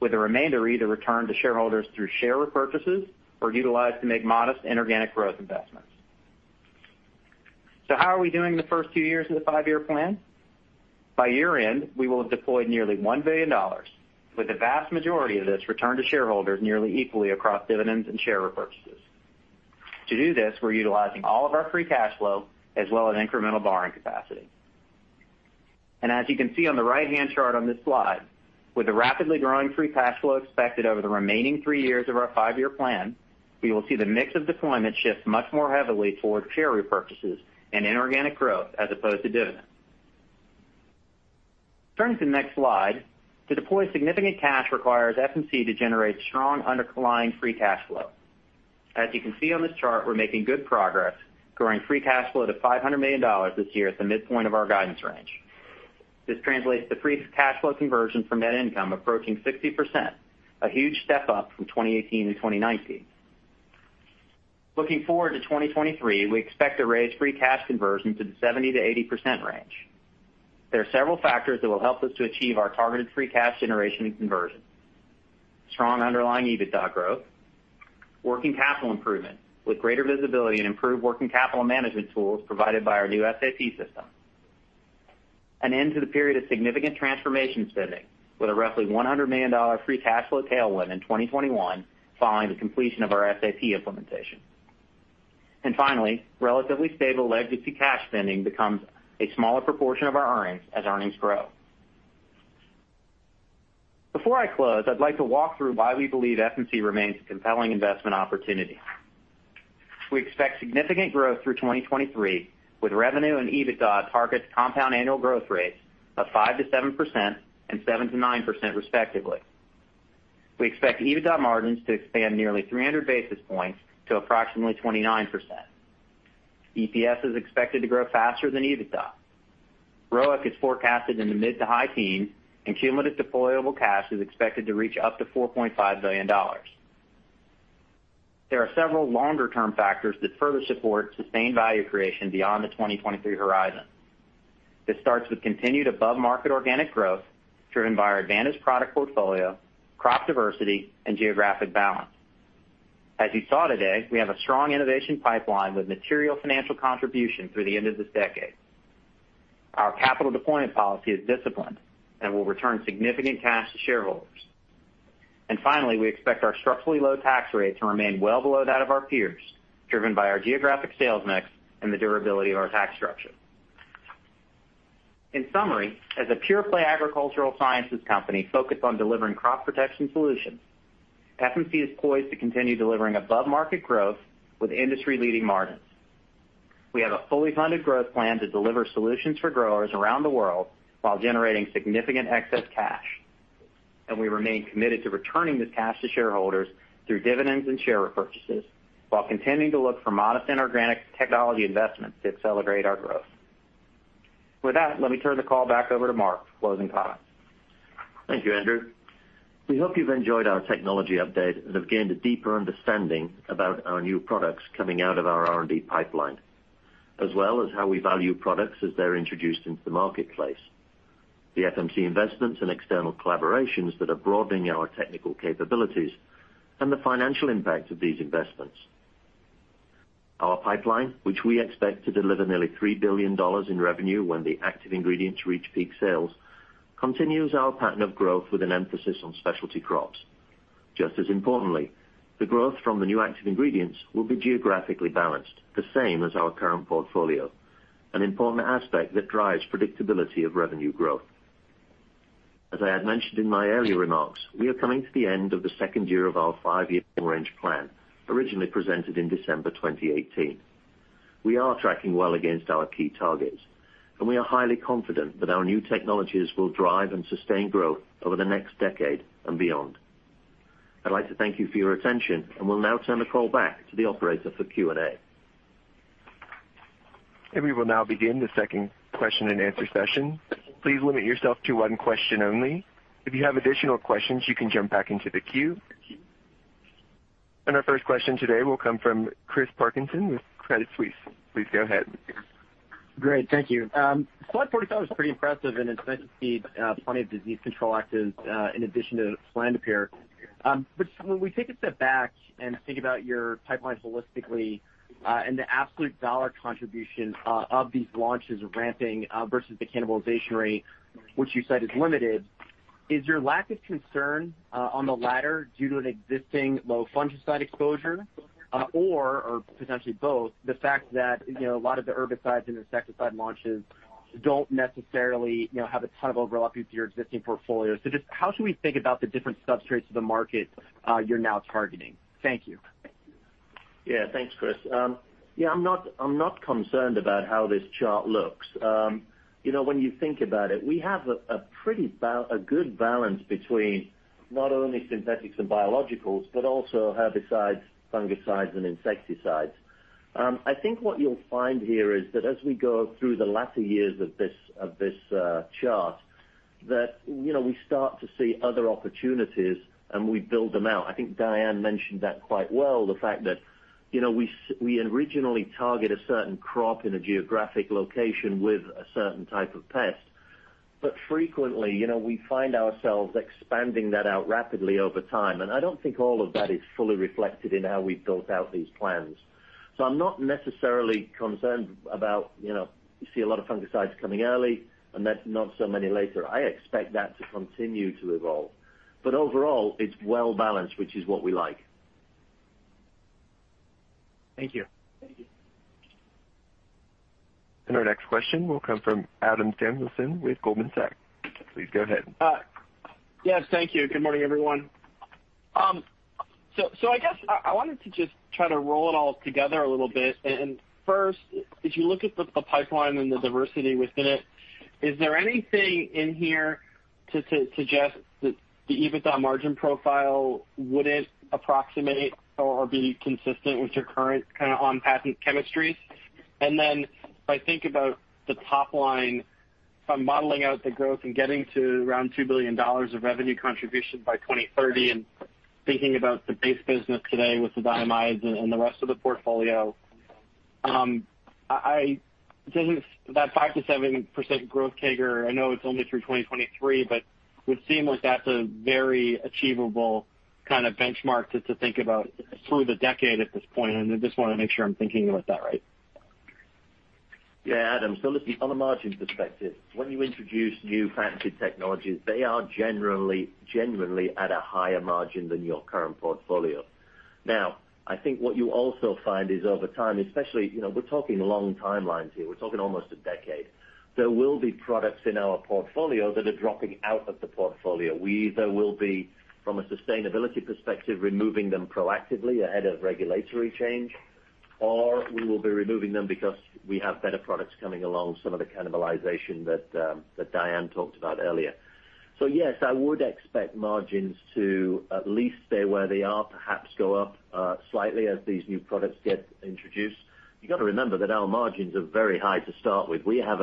Speaker 9: with the remainder either returned to shareholders through share repurchases or utilized to make modest inorganic growth investments. So how are we doing the first two years of the five-year plan? By year-end, we will have deployed nearly $1 billion, with the vast majority of this returned to shareholders nearly equally across dividends and share repurchases. To do this, we're utilizing all of our free cash flow, as well as incremental borrowing capacity. And as you can see on the right-hand chart on this slide, with the rapidly growing free cash flow expected over the remaining three years of our five-year plan, we will see the mix of deployment shift much more heavily towards share repurchases and inorganic growth as opposed to dividends. Turning to the next slide, to deploy significant cash requires FMC to generate strong underlying free cash flow. As you can see on this chart, we're making good progress, growing free cash flow to $500 million this year at the midpoint of our guidance range. This translates to free cash flow conversion from net income approaching 60%, a huge step up from 2018 and 2019. Looking forward to 2023, we expect to raise free cash conversion to the 70%-80% range. There are several factors that will help us to achieve our targeted free cash generation and conversion: strong underlying EBITDA growth, working capital improvement with greater visibility, and improved working capital management tools provided by our new SAP system. An end to the period of significant transformation spending with a roughly $100 million free cash flow tailwind in 2021 following the completion of our SAP implementation. Finally, relatively stable legacy cash spending becomes a smaller proportion of our earnings as earnings grow. Before I close, I'd like to walk through why we believe FMC remains a compelling investment opportunity. We expect significant growth through 2023, with revenue and EBITDA target compound annual growth rates of 5-7% and 7-9%, respectively. We expect EBITDA margins to expand nearly 300 basis points to approximately 29%. EPS is expected to grow faster than EBITDA. ROIC is forecasted in the mid to high teens, and cumulative deployable cash is expected to reach up to $4.5 billion. There are several longer-term factors that further support sustained value creation beyond the 2023 horizon. This starts with continued above-market organic growth driven by our advantaged product portfolio, crop diversity, and geographic balance. As you saw today, we have a strong innovation pipeline with material financial contribution through the end of this decade. Our capital deployment policy is disciplined and will return significant cash to shareholders. And finally, we expect our structurally low tax rate to remain well below that of our peers, driven by our geographic sales mix and the durability of our tax structure. In summary, as a pure-play agricultural sciences company focused on delivering crop protection solutions, FMC is poised to continue delivering above-market growth with industry-leading margins. We have a fully funded growth plan to deliver solutions for growers around the world while generating significant excess cash. And we remain committed to returning this cash to shareholders through dividends and share repurchases while continuing to look for modest inorganic technology investments to accelerate our growth. With that, let me turn the call back over to Mark for closing comments.
Speaker 3: Thank you, Andrew. We hope you've enjoyed our technology update and have gained a deeper understanding about our new products coming out of our R&D pipeline, as well as how we value products as they're introduced into the marketplace, the FMC investments and external collaborations that are broadening our technical capabilities, and the financial impact of these investments. Our pipeline, which we expect to deliver nearly $3 billion in revenue when the active ingredients reach peak sales, continues our pattern of growth with an emphasis on specialty crops. Just as importantly, the growth from the new active ingredients will be geographically balanced, the same as our current portfolio, an important aspect that drives predictability of revenue growth. As I had mentioned in my earlier remarks, we are coming to the end of the second year of our five-year range plan, originally presented in December 2018. We are tracking well against our key targets, and we are highly confident that our new technologies will drive and sustain growth over the next decade and beyond. I'd like to thank you for your attention, and we'll now turn the call back to the operator for Q&A.
Speaker 1: And we will now begin the second question and answer session. Please limit yourself to one question only. If you have additional questions, you can jump back into the queue, and our first question today will come from Chris Parkinson with Credit Suisse. Please go ahead.
Speaker 10: Great. Thank you. Slide 44 was pretty impressive in it's meant to feed plenty of disease control actives in addition to Fluindapyr. But when we take a step back and think about your pipeline holistically and the absolute dollar contribution of these launches ramping versus the cannibalization rate, which you cite as limited, is your lack of concern on the latter due to an existing low fungicide exposure or potentially both the fact that a lot of the herbicides and insecticide launches don't necessarily have a ton of overlap with your existing portfolio? So just how should we think about the different substrates of the market you're now targeting? Thank you.
Speaker 3: Yeah. Thanks, Chris. Yeah, I'm not concerned about how this chart looks. When you think about it, we have a pretty good balance between not only synthetics and biologicals, but also herbicides, fungicides, and insecticides. I think what you'll find here is that as we go through the latter years of this chart, that we start to see other opportunities and we build them out. I think Diane mentioned that quite well, the fact that we originally target a certain crop in a geographic location with a certain type of pest. But frequently, we find ourselves expanding that out rapidly over time. And I don't think all of that is fully reflected in how we've built out these plans. So I'm not necessarily concerned about you see a lot of fungicides coming early and then not so many later. I expect that to continue to evolve. But overall, it's well balanced, which is what we like.
Speaker 10: Thank you.
Speaker 1: And our next question will come from Adam Samuelson with Goldman Sachs. Please go ahead.
Speaker 11: Yes. Thank you. Good morning, everyone. So I guess I wanted to just try to roll it all together a little bit. And first, as you look at the pipeline and the diversity within it, is there anything in here to suggest that the EBITDA margin profile wouldn't approximate or be consistent with your current kind of on-patent chemistries? And then if I think about the top line, if I'm modeling out the growth and getting to around $2 billion of revenue contribution by 2030 and thinking about the base business today with the DMIs and the rest of the portfolio, that 5%-7% growth CAGR, I know it's only through 2023, but it would seem like that's a very achievable kind of benchmark to think about through the decade at this point. And I just want to make sure I'm thinking about that right.
Speaker 3: Yeah, Adam. So listen, from a margin perspective, when you introduce new patented technologies, they are genuinely at a higher margin than your current portfolio. Now, I think what you'll also find is over time, especially, we're talking long timelines here. We're talking almost a decade. There will be products in our portfolio that are dropping out of the portfolio. We either will be, from a sustainability perspective, removing them proactively ahead of regulatory change, or we will be removing them because we have better products coming along, some of the cannibalization that Diane talked about earlier. So yes, I would expect margins to at least stay where they are, perhaps go up slightly as these new products get introduced. You've got to remember that our margins are very high to start with. We have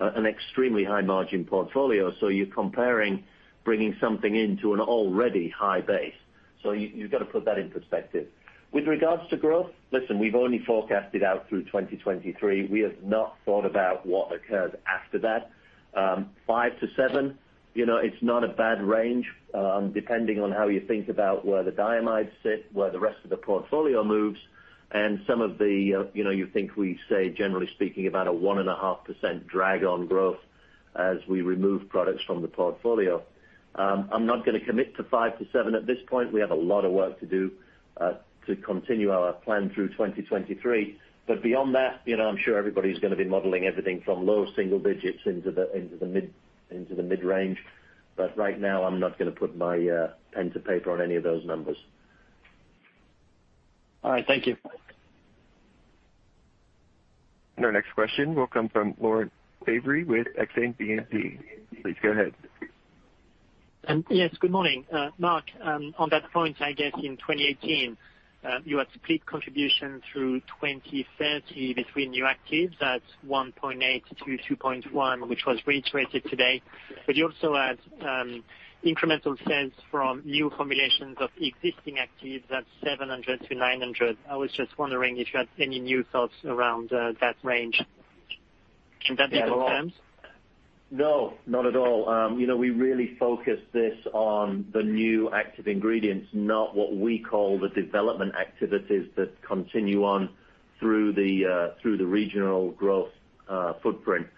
Speaker 3: an extremely high margin portfolio. So you're comparing bringing something into an already high base. So you've got to put that in perspective. With regards to growth, listen, we've only forecasted out through 2023. We have not thought about what occurs after that. Five to seven, it's not a bad range depending on how you think about where the DMIs sit, where the rest of the portfolio moves, and some of the you think we say, generally speaking, about a 1.5% drag on growth as we remove products from the portfolio. I'm not going to commit to five to seven at this point. We have a lot of work to do to continue our plan through 2023. But beyond that, I'm sure everybody's going to be modeling everything from low single digits into the mid range. But right now, I'm not going to put my pen to paper on any of those numbers.
Speaker 11: All right. Thank you.
Speaker 1: Our next question will come from Laurent Favre with Exane BNP Paribas. Please go ahead.
Speaker 12: Yes. Good morning. Mark, on that point, I guess in 2018, you had complete contribution through 2030 between new actives at $1.8-$2.1, which was reiterated today. But you also had incremental sales from new formulations of existing actives at $700-$900. I was just wondering if you had any new thoughts around that range. Can that be confirmed?
Speaker 3: No, not at all. We really focus this on the new active ingredients, not what we call the development activities that continue on through the regional growth footprint.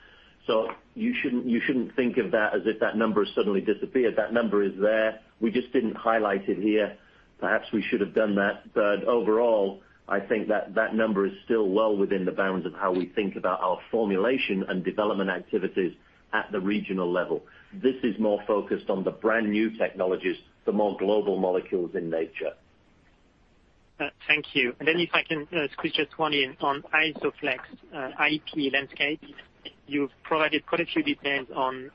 Speaker 3: So you shouldn't think of that as if that number has suddenly disappeared. That number is there. We just didn't highlight it here. Perhaps we should have done that. But overall, I think that that number is still well within the bounds of how we think about our formulation and development activities at the regional level. This is more focused on the brand new technologies, the more global molecules in nature.
Speaker 12: Thank you. And then if I can squeeze just one in on Isoflex IP landscape. You've provided quite a few details on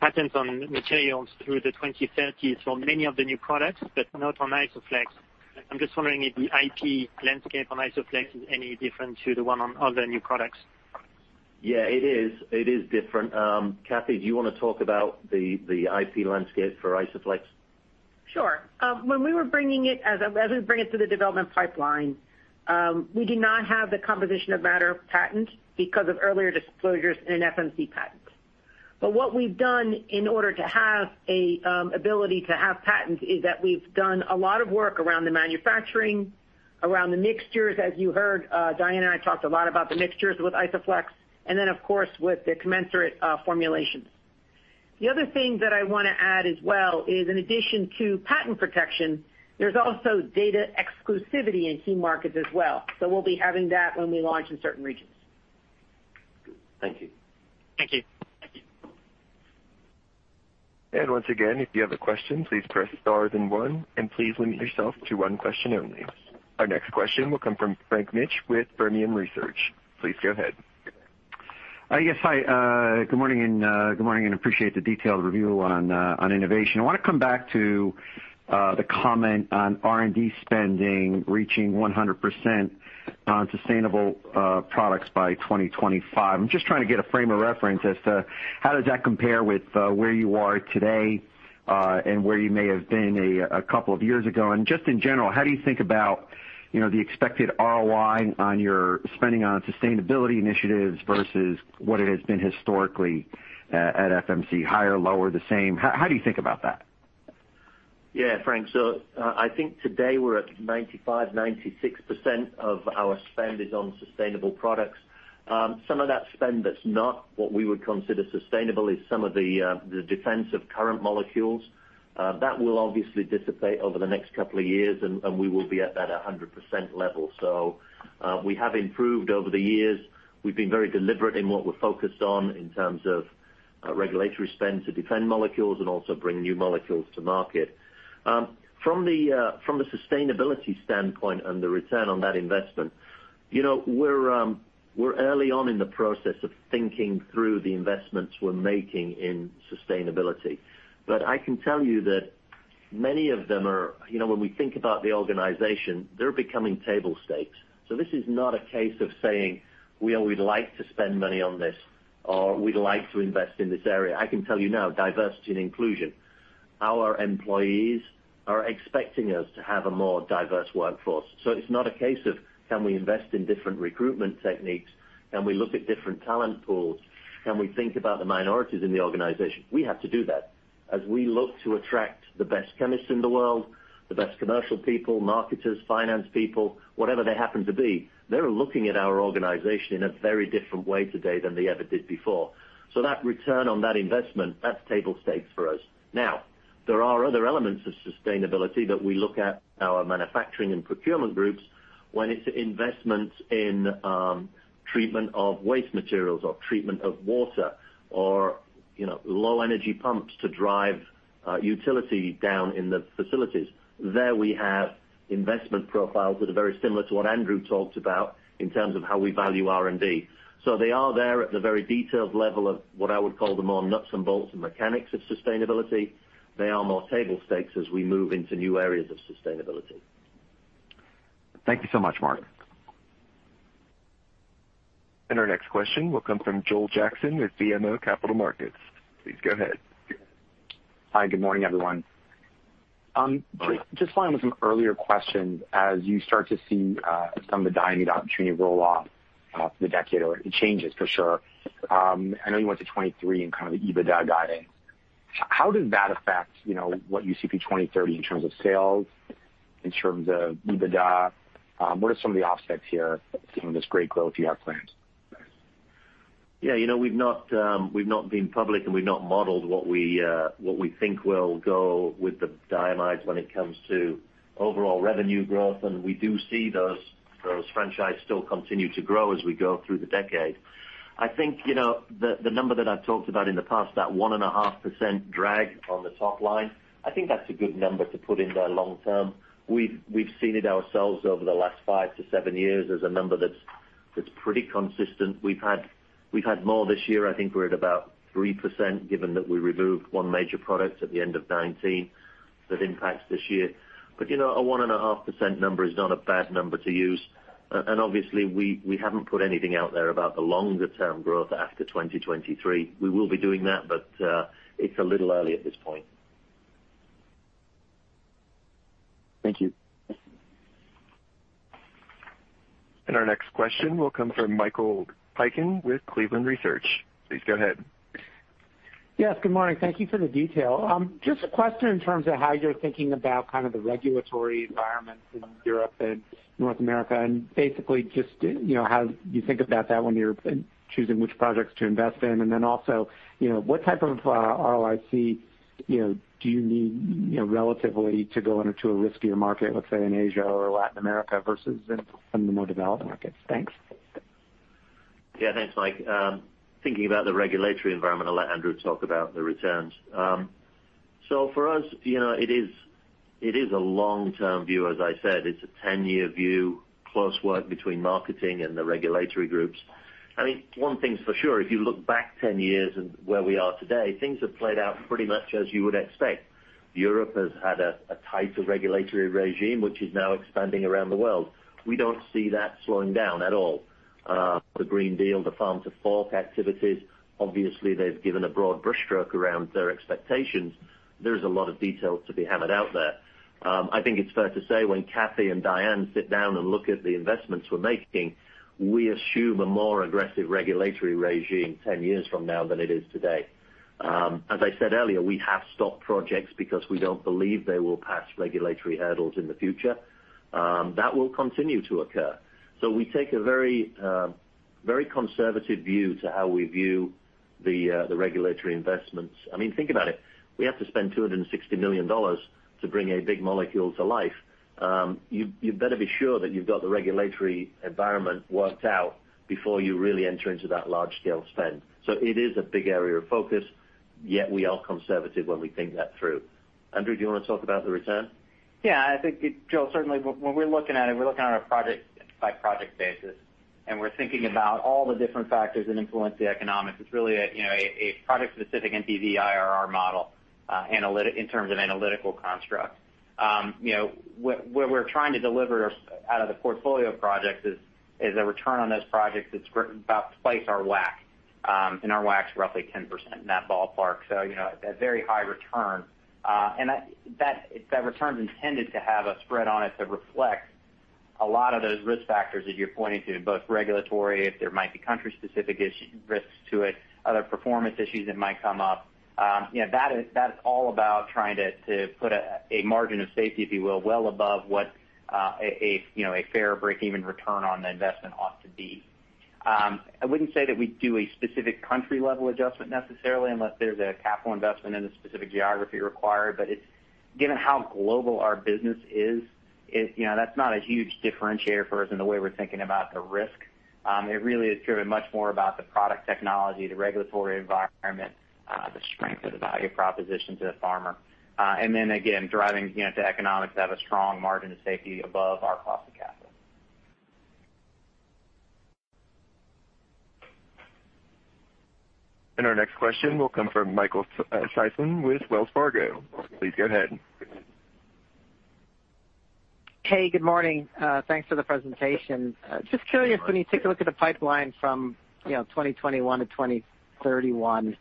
Speaker 12: patents on materials through the 2030s for many of the new products, but not on Isoflex. I'm just wondering if the IP landscape on Isoflex is any different to the one on other new products.
Speaker 3: Yeah, it is. It is different. Kathy, do you want to talk about the IP landscape for Isoflex?
Speaker 4: Sure. When we were bringing it as we bring it to the development pipeline, we do not have the composition of matter patent because of earlier disclosures in an FMC patent. But what we've done in order to have an ability to have patents is that we've done a lot of work around the manufacturing, around the mixtures. As you heard, Diane and I talked a lot about the mixtures with IsoFlex and then, of course, with the commensurate formulations. The other thing that I want to add as well is, in addition to patent protection, there's also data exclusivity in key markets as well. So we'll be having that when we launch in certain regions.
Speaker 3: Thank you.
Speaker 12: Thank you.
Speaker 1: And once again, if you have a question, please press stars and one, and please limit yourself to one question only. Our next question will come from Frank Mitsch with Fermium Research. Please go ahead.
Speaker 13: Yes. Hi. Good morning and appreciate the detailed review on innovation. I want to come back to the comment on R&D spending reaching 100% on sustainable products by 2025. I'm just trying to get a frame of reference as to how does that compare with where you are today and where you may have been a couple of years ago. And just in general, how do you think about the expected ROI on your spending on sustainability initiatives versus what it has been historically at FMC? Higher, lower, the same? How do you think about that?
Speaker 3: Yeah, Frank. So I think today we're at 95%-96% of our spend is on sustainable products. Some of that spend that's not what we would consider sustainable is some of the defense of current molecules. That will obviously dissipate over the next couple of years, and we will be at that 100% level. So we have improved over the years. We've been very deliberate in what we're focused on in terms of regulatory spend to defend molecules and also bring new molecules to market. From the sustainability standpoint and the return on that investment, we're early on in the process of thinking through the investments we're making in sustainability. But I can tell you that many of them are, when we think about the organization, they're becoming table stakes. So this is not a case of saying, "We always like to spend money on this," or, "We'd like to invest in this area." I can tell you now, diversity and inclusion, our employees are expecting us to have a more diverse workforce. So it's not a case of, "Can we invest in different recruitment techniques? Can we look at different talent pools? Can we think about the minorities in the organization?" We have to do that. As we look to attract the best chemists in the world, the best commercial people, marketers, finance people, whatever they happen to be, they're looking at our organization in a very different way today than they ever did before. So that return on that investment, that's table stakes for us. Now, there are other elements of sustainability that we look at our manufacturing and procurement groups when it's investment in treatment of waste materials or treatment of water or low-energy pumps to drive utility down in the facilities. There we have investment profiles that are very similar to what Andrew talked about in terms of how we value R&D. So they are there at the very detailed level of what I would call the more nuts and bolts and mechanics of sustainability. They are more table stakes as we move into new areas of sustainability.
Speaker 13: Thank you so much, Mark.
Speaker 1: And our next question will come from Joel Jackson with BMO Capital Markets. Please go ahead.
Speaker 14: Hi. Good morning, everyone. Just following with some earlier questions, as you start to see some of the diamide opportunity roll off for the decade or it changes for sure. I know you went to 2023 and kind of the EBITDA guidance. How does that affect what you see for 2030 in terms of sales, in terms of EBITDA? What are some of the offsets here from this great growth you have planned? Yeah. We've not been public, and we've not modeled what we think will go with the DMIs when it comes to overall revenue growth. And we do see those franchises still continue to grow as we go through the decade. I think the number that I've talked about in the past, that 1.5% drag on the top line, I think that's a good number to put in there long term. We've seen it ourselves over the last five to seven years as a number that's pretty consistent. We've had more this year. I think we're at about 3% given that we removed one major product at the end of 2019 that impacts this year. But a 1.5% number is not a bad number to use. And obviously, we haven't put anything out there about the longer-term growth after 2023. We will be doing that, but it's a little early at this point. Thank you. And our next question will come from Michael Piken with Cleveland Research. Please go ahead.
Speaker 15: Yes. Good morning. Thank you for the detail. Just a question in terms of how you're thinking about kind of the regulatory environment in Europe and North America and basically just how you think about that when you're choosing which projects to invest in. And then also, what type of ROIC do you need relatively to go into a riskier market, let's say, in Asia or Latin America versus in some of the more developed markets? Thanks.
Speaker 3: Yeah. Thanks, Mike. Thinking about the regulatory environment, I'll let Andrew talk about the returns. So for us, it is a long-term view, as I said. It's a 10-year view, close work between marketing and the regulatory groups. I mean, one thing's for sure. If you look back 10 years and where we are today, things have played out pretty much as you would expect. Europe has had a tighter regulatory regime, which is now expanding around the world. We don't see that slowing down at all. The Green Deal, the Farm to Fork activities, obviously, they've given a broad brushstroke around their expectations. There's a lot of detail to be hammered out there. I think it's fair to say when Kathy and Diane sit down and look at the investments we're making, we assume a more aggressive regulatory regime 10 years from now than it is today. As I said earlier, we have stopped projects because we don't believe they will pass regulatory hurdles in the future. That will continue to occur. So we take a very conservative view to how we view the regulatory investments. I mean, think about it. We have to spend $260 million to bring a big molecule to life. You better be sure that you've got the regulatory environment worked out before you really enter into that large-scale spend. It is a big area of focus, yet we are conservative when we think that through. Andrew, do you want to talk about the return?
Speaker 9: Yeah. I think, Joel, certainly, when we're looking at it, we're looking on a project-by-project basis, and we're thinking about all the different factors that influence the economics. It's really a product-specific NPV IRR model in terms of analytical construct. What we're trying to deliver out of the portfolio projects is a return on those projects that's about twice our WACC, and our WACC's roughly 10%, in that ballpark. It is a very high return, and that return's intended to have a spread on it to reflect a lot of those risk factors that you're pointing to, both regulatory, if there might be country-specific risks to it, other performance issues that might come up. That's all about trying to put a margin of safety, if you will, well above what a fair, break-even return on the investment ought to be. I wouldn't say that we do a specific country-level adjustment necessarily unless there's a capital investment in a specific geography required. But given how global our business is, that's not a huge differentiator for us in the way we're thinking about the risk. It really is driven much more about the product technology, the regulatory environment, the strength of the value proposition to the farmer, and then, again, driving the economics to have a strong margin of safety above our cost of capital.
Speaker 1: And our next question will come from Michael Sison with Wells Fargo. Please go ahead.
Speaker 16: Hey. Good morning. Thanks for the presentation. Just curious, when you take a look at the pipeline from 2021 to 2031,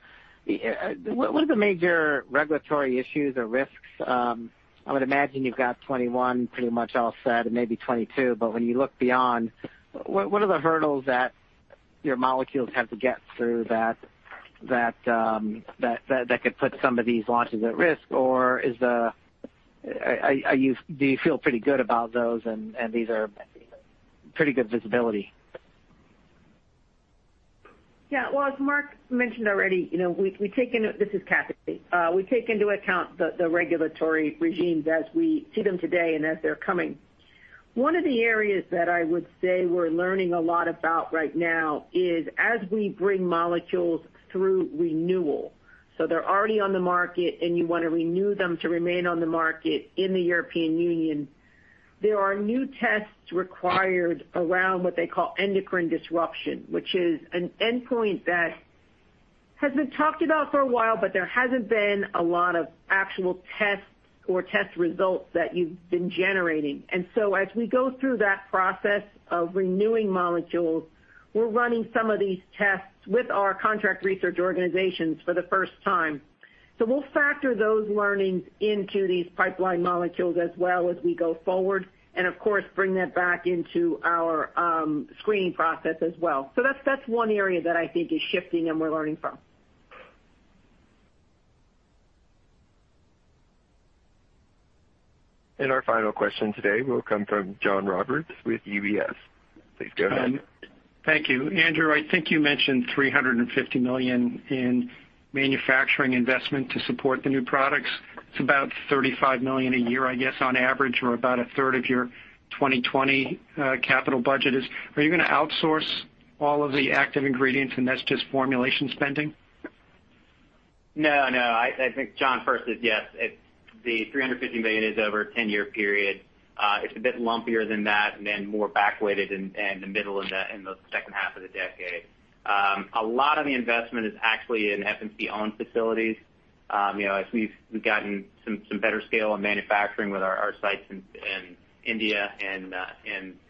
Speaker 16: what are the major regulatory issues or risks? I would imagine you've got 2021 pretty much all set and maybe 2022. But when you look beyond, what are the hurdles that your molecules have to get through that could put some of these launches at risk? Or do you feel pretty good about those, and these are pretty good visibility?
Speaker 4: Yeah. Well, as Mark mentioned already, we take into—this is Kathy—we take into account the regulatory regimes as we see them today and as they're coming. One of the areas that I would say we're learning a lot about right now is as we bring molecules through renewal. So they're already on the market, and you want to renew them to remain on the market in the European Union. There are new tests required around what they call endocrine disruption, which is an endpoint that has been talked about for a while, but there hasn't been a lot of actual tests or test results that you've been generating. And so as we go through that process of renewing molecules, we're running some of these tests with our contract research organizations for the first time. So we'll factor those learnings into these pipeline molecules as well as we go forward and, of course, bring that back into our screening process as well. So that's one area that I think is shifting and we're learning from.
Speaker 1: And our final question today will come from John Roberts with UBS. Please go ahead.
Speaker 17: Thank you. Andrew, I think you mentioned $350 million in manufacturing investment to support the new products. It's about $35 million a year, I guess, on average, or about a third of your 2020 capital budget. Are you going to outsource all of the active ingredients, and that's just formulation spending?
Speaker 9: No, no. I think John first said yes. The $350 million is over a 10-year period. It's a bit lumpier than that and then more back-weighted in the middle and the second half of the decade. A lot of the investment is actually in FMC-owned facilities. As we've gotten some better scale on manufacturing with our sites in India and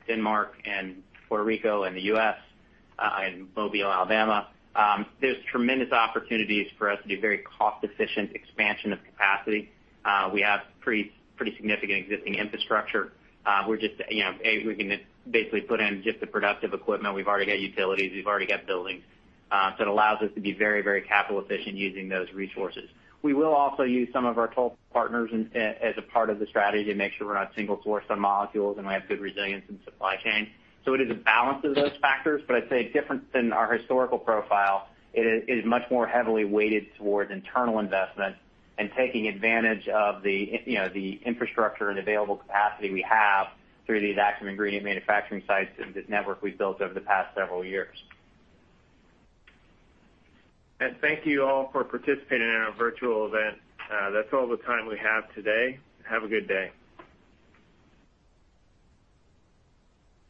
Speaker 9: Denmark and Puerto Rico and the U.S. and Mobile, Alabama, there's tremendous opportunities for us to do very cost-efficient expansion of capacity. We have pretty significant existing infrastructure. We can basically put in just the productive equipment. We've already got utilities. We've already got buildings. So it allows us to be very, very capital-efficient using those resources. We will also use some of our toll partners as a part of the strategy to make sure we're not single-sourced on molecules and we have good resilience in supply chain. So it is a balance of those factors. But I'd say different than our historical profile, it is much more heavily weighted towards internal investment and taking advantage of the infrastructure and available capacity we have through these active ingredient manufacturing sites and this network we've built over the past several years.
Speaker 3: And thank you all for participating in our virtual event. That's all the time we have today. Have a good day.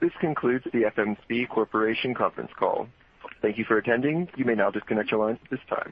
Speaker 1: This concludes the FMC Corporation Conference Call. Thank you for attending. You may now disconnect your lines at this time.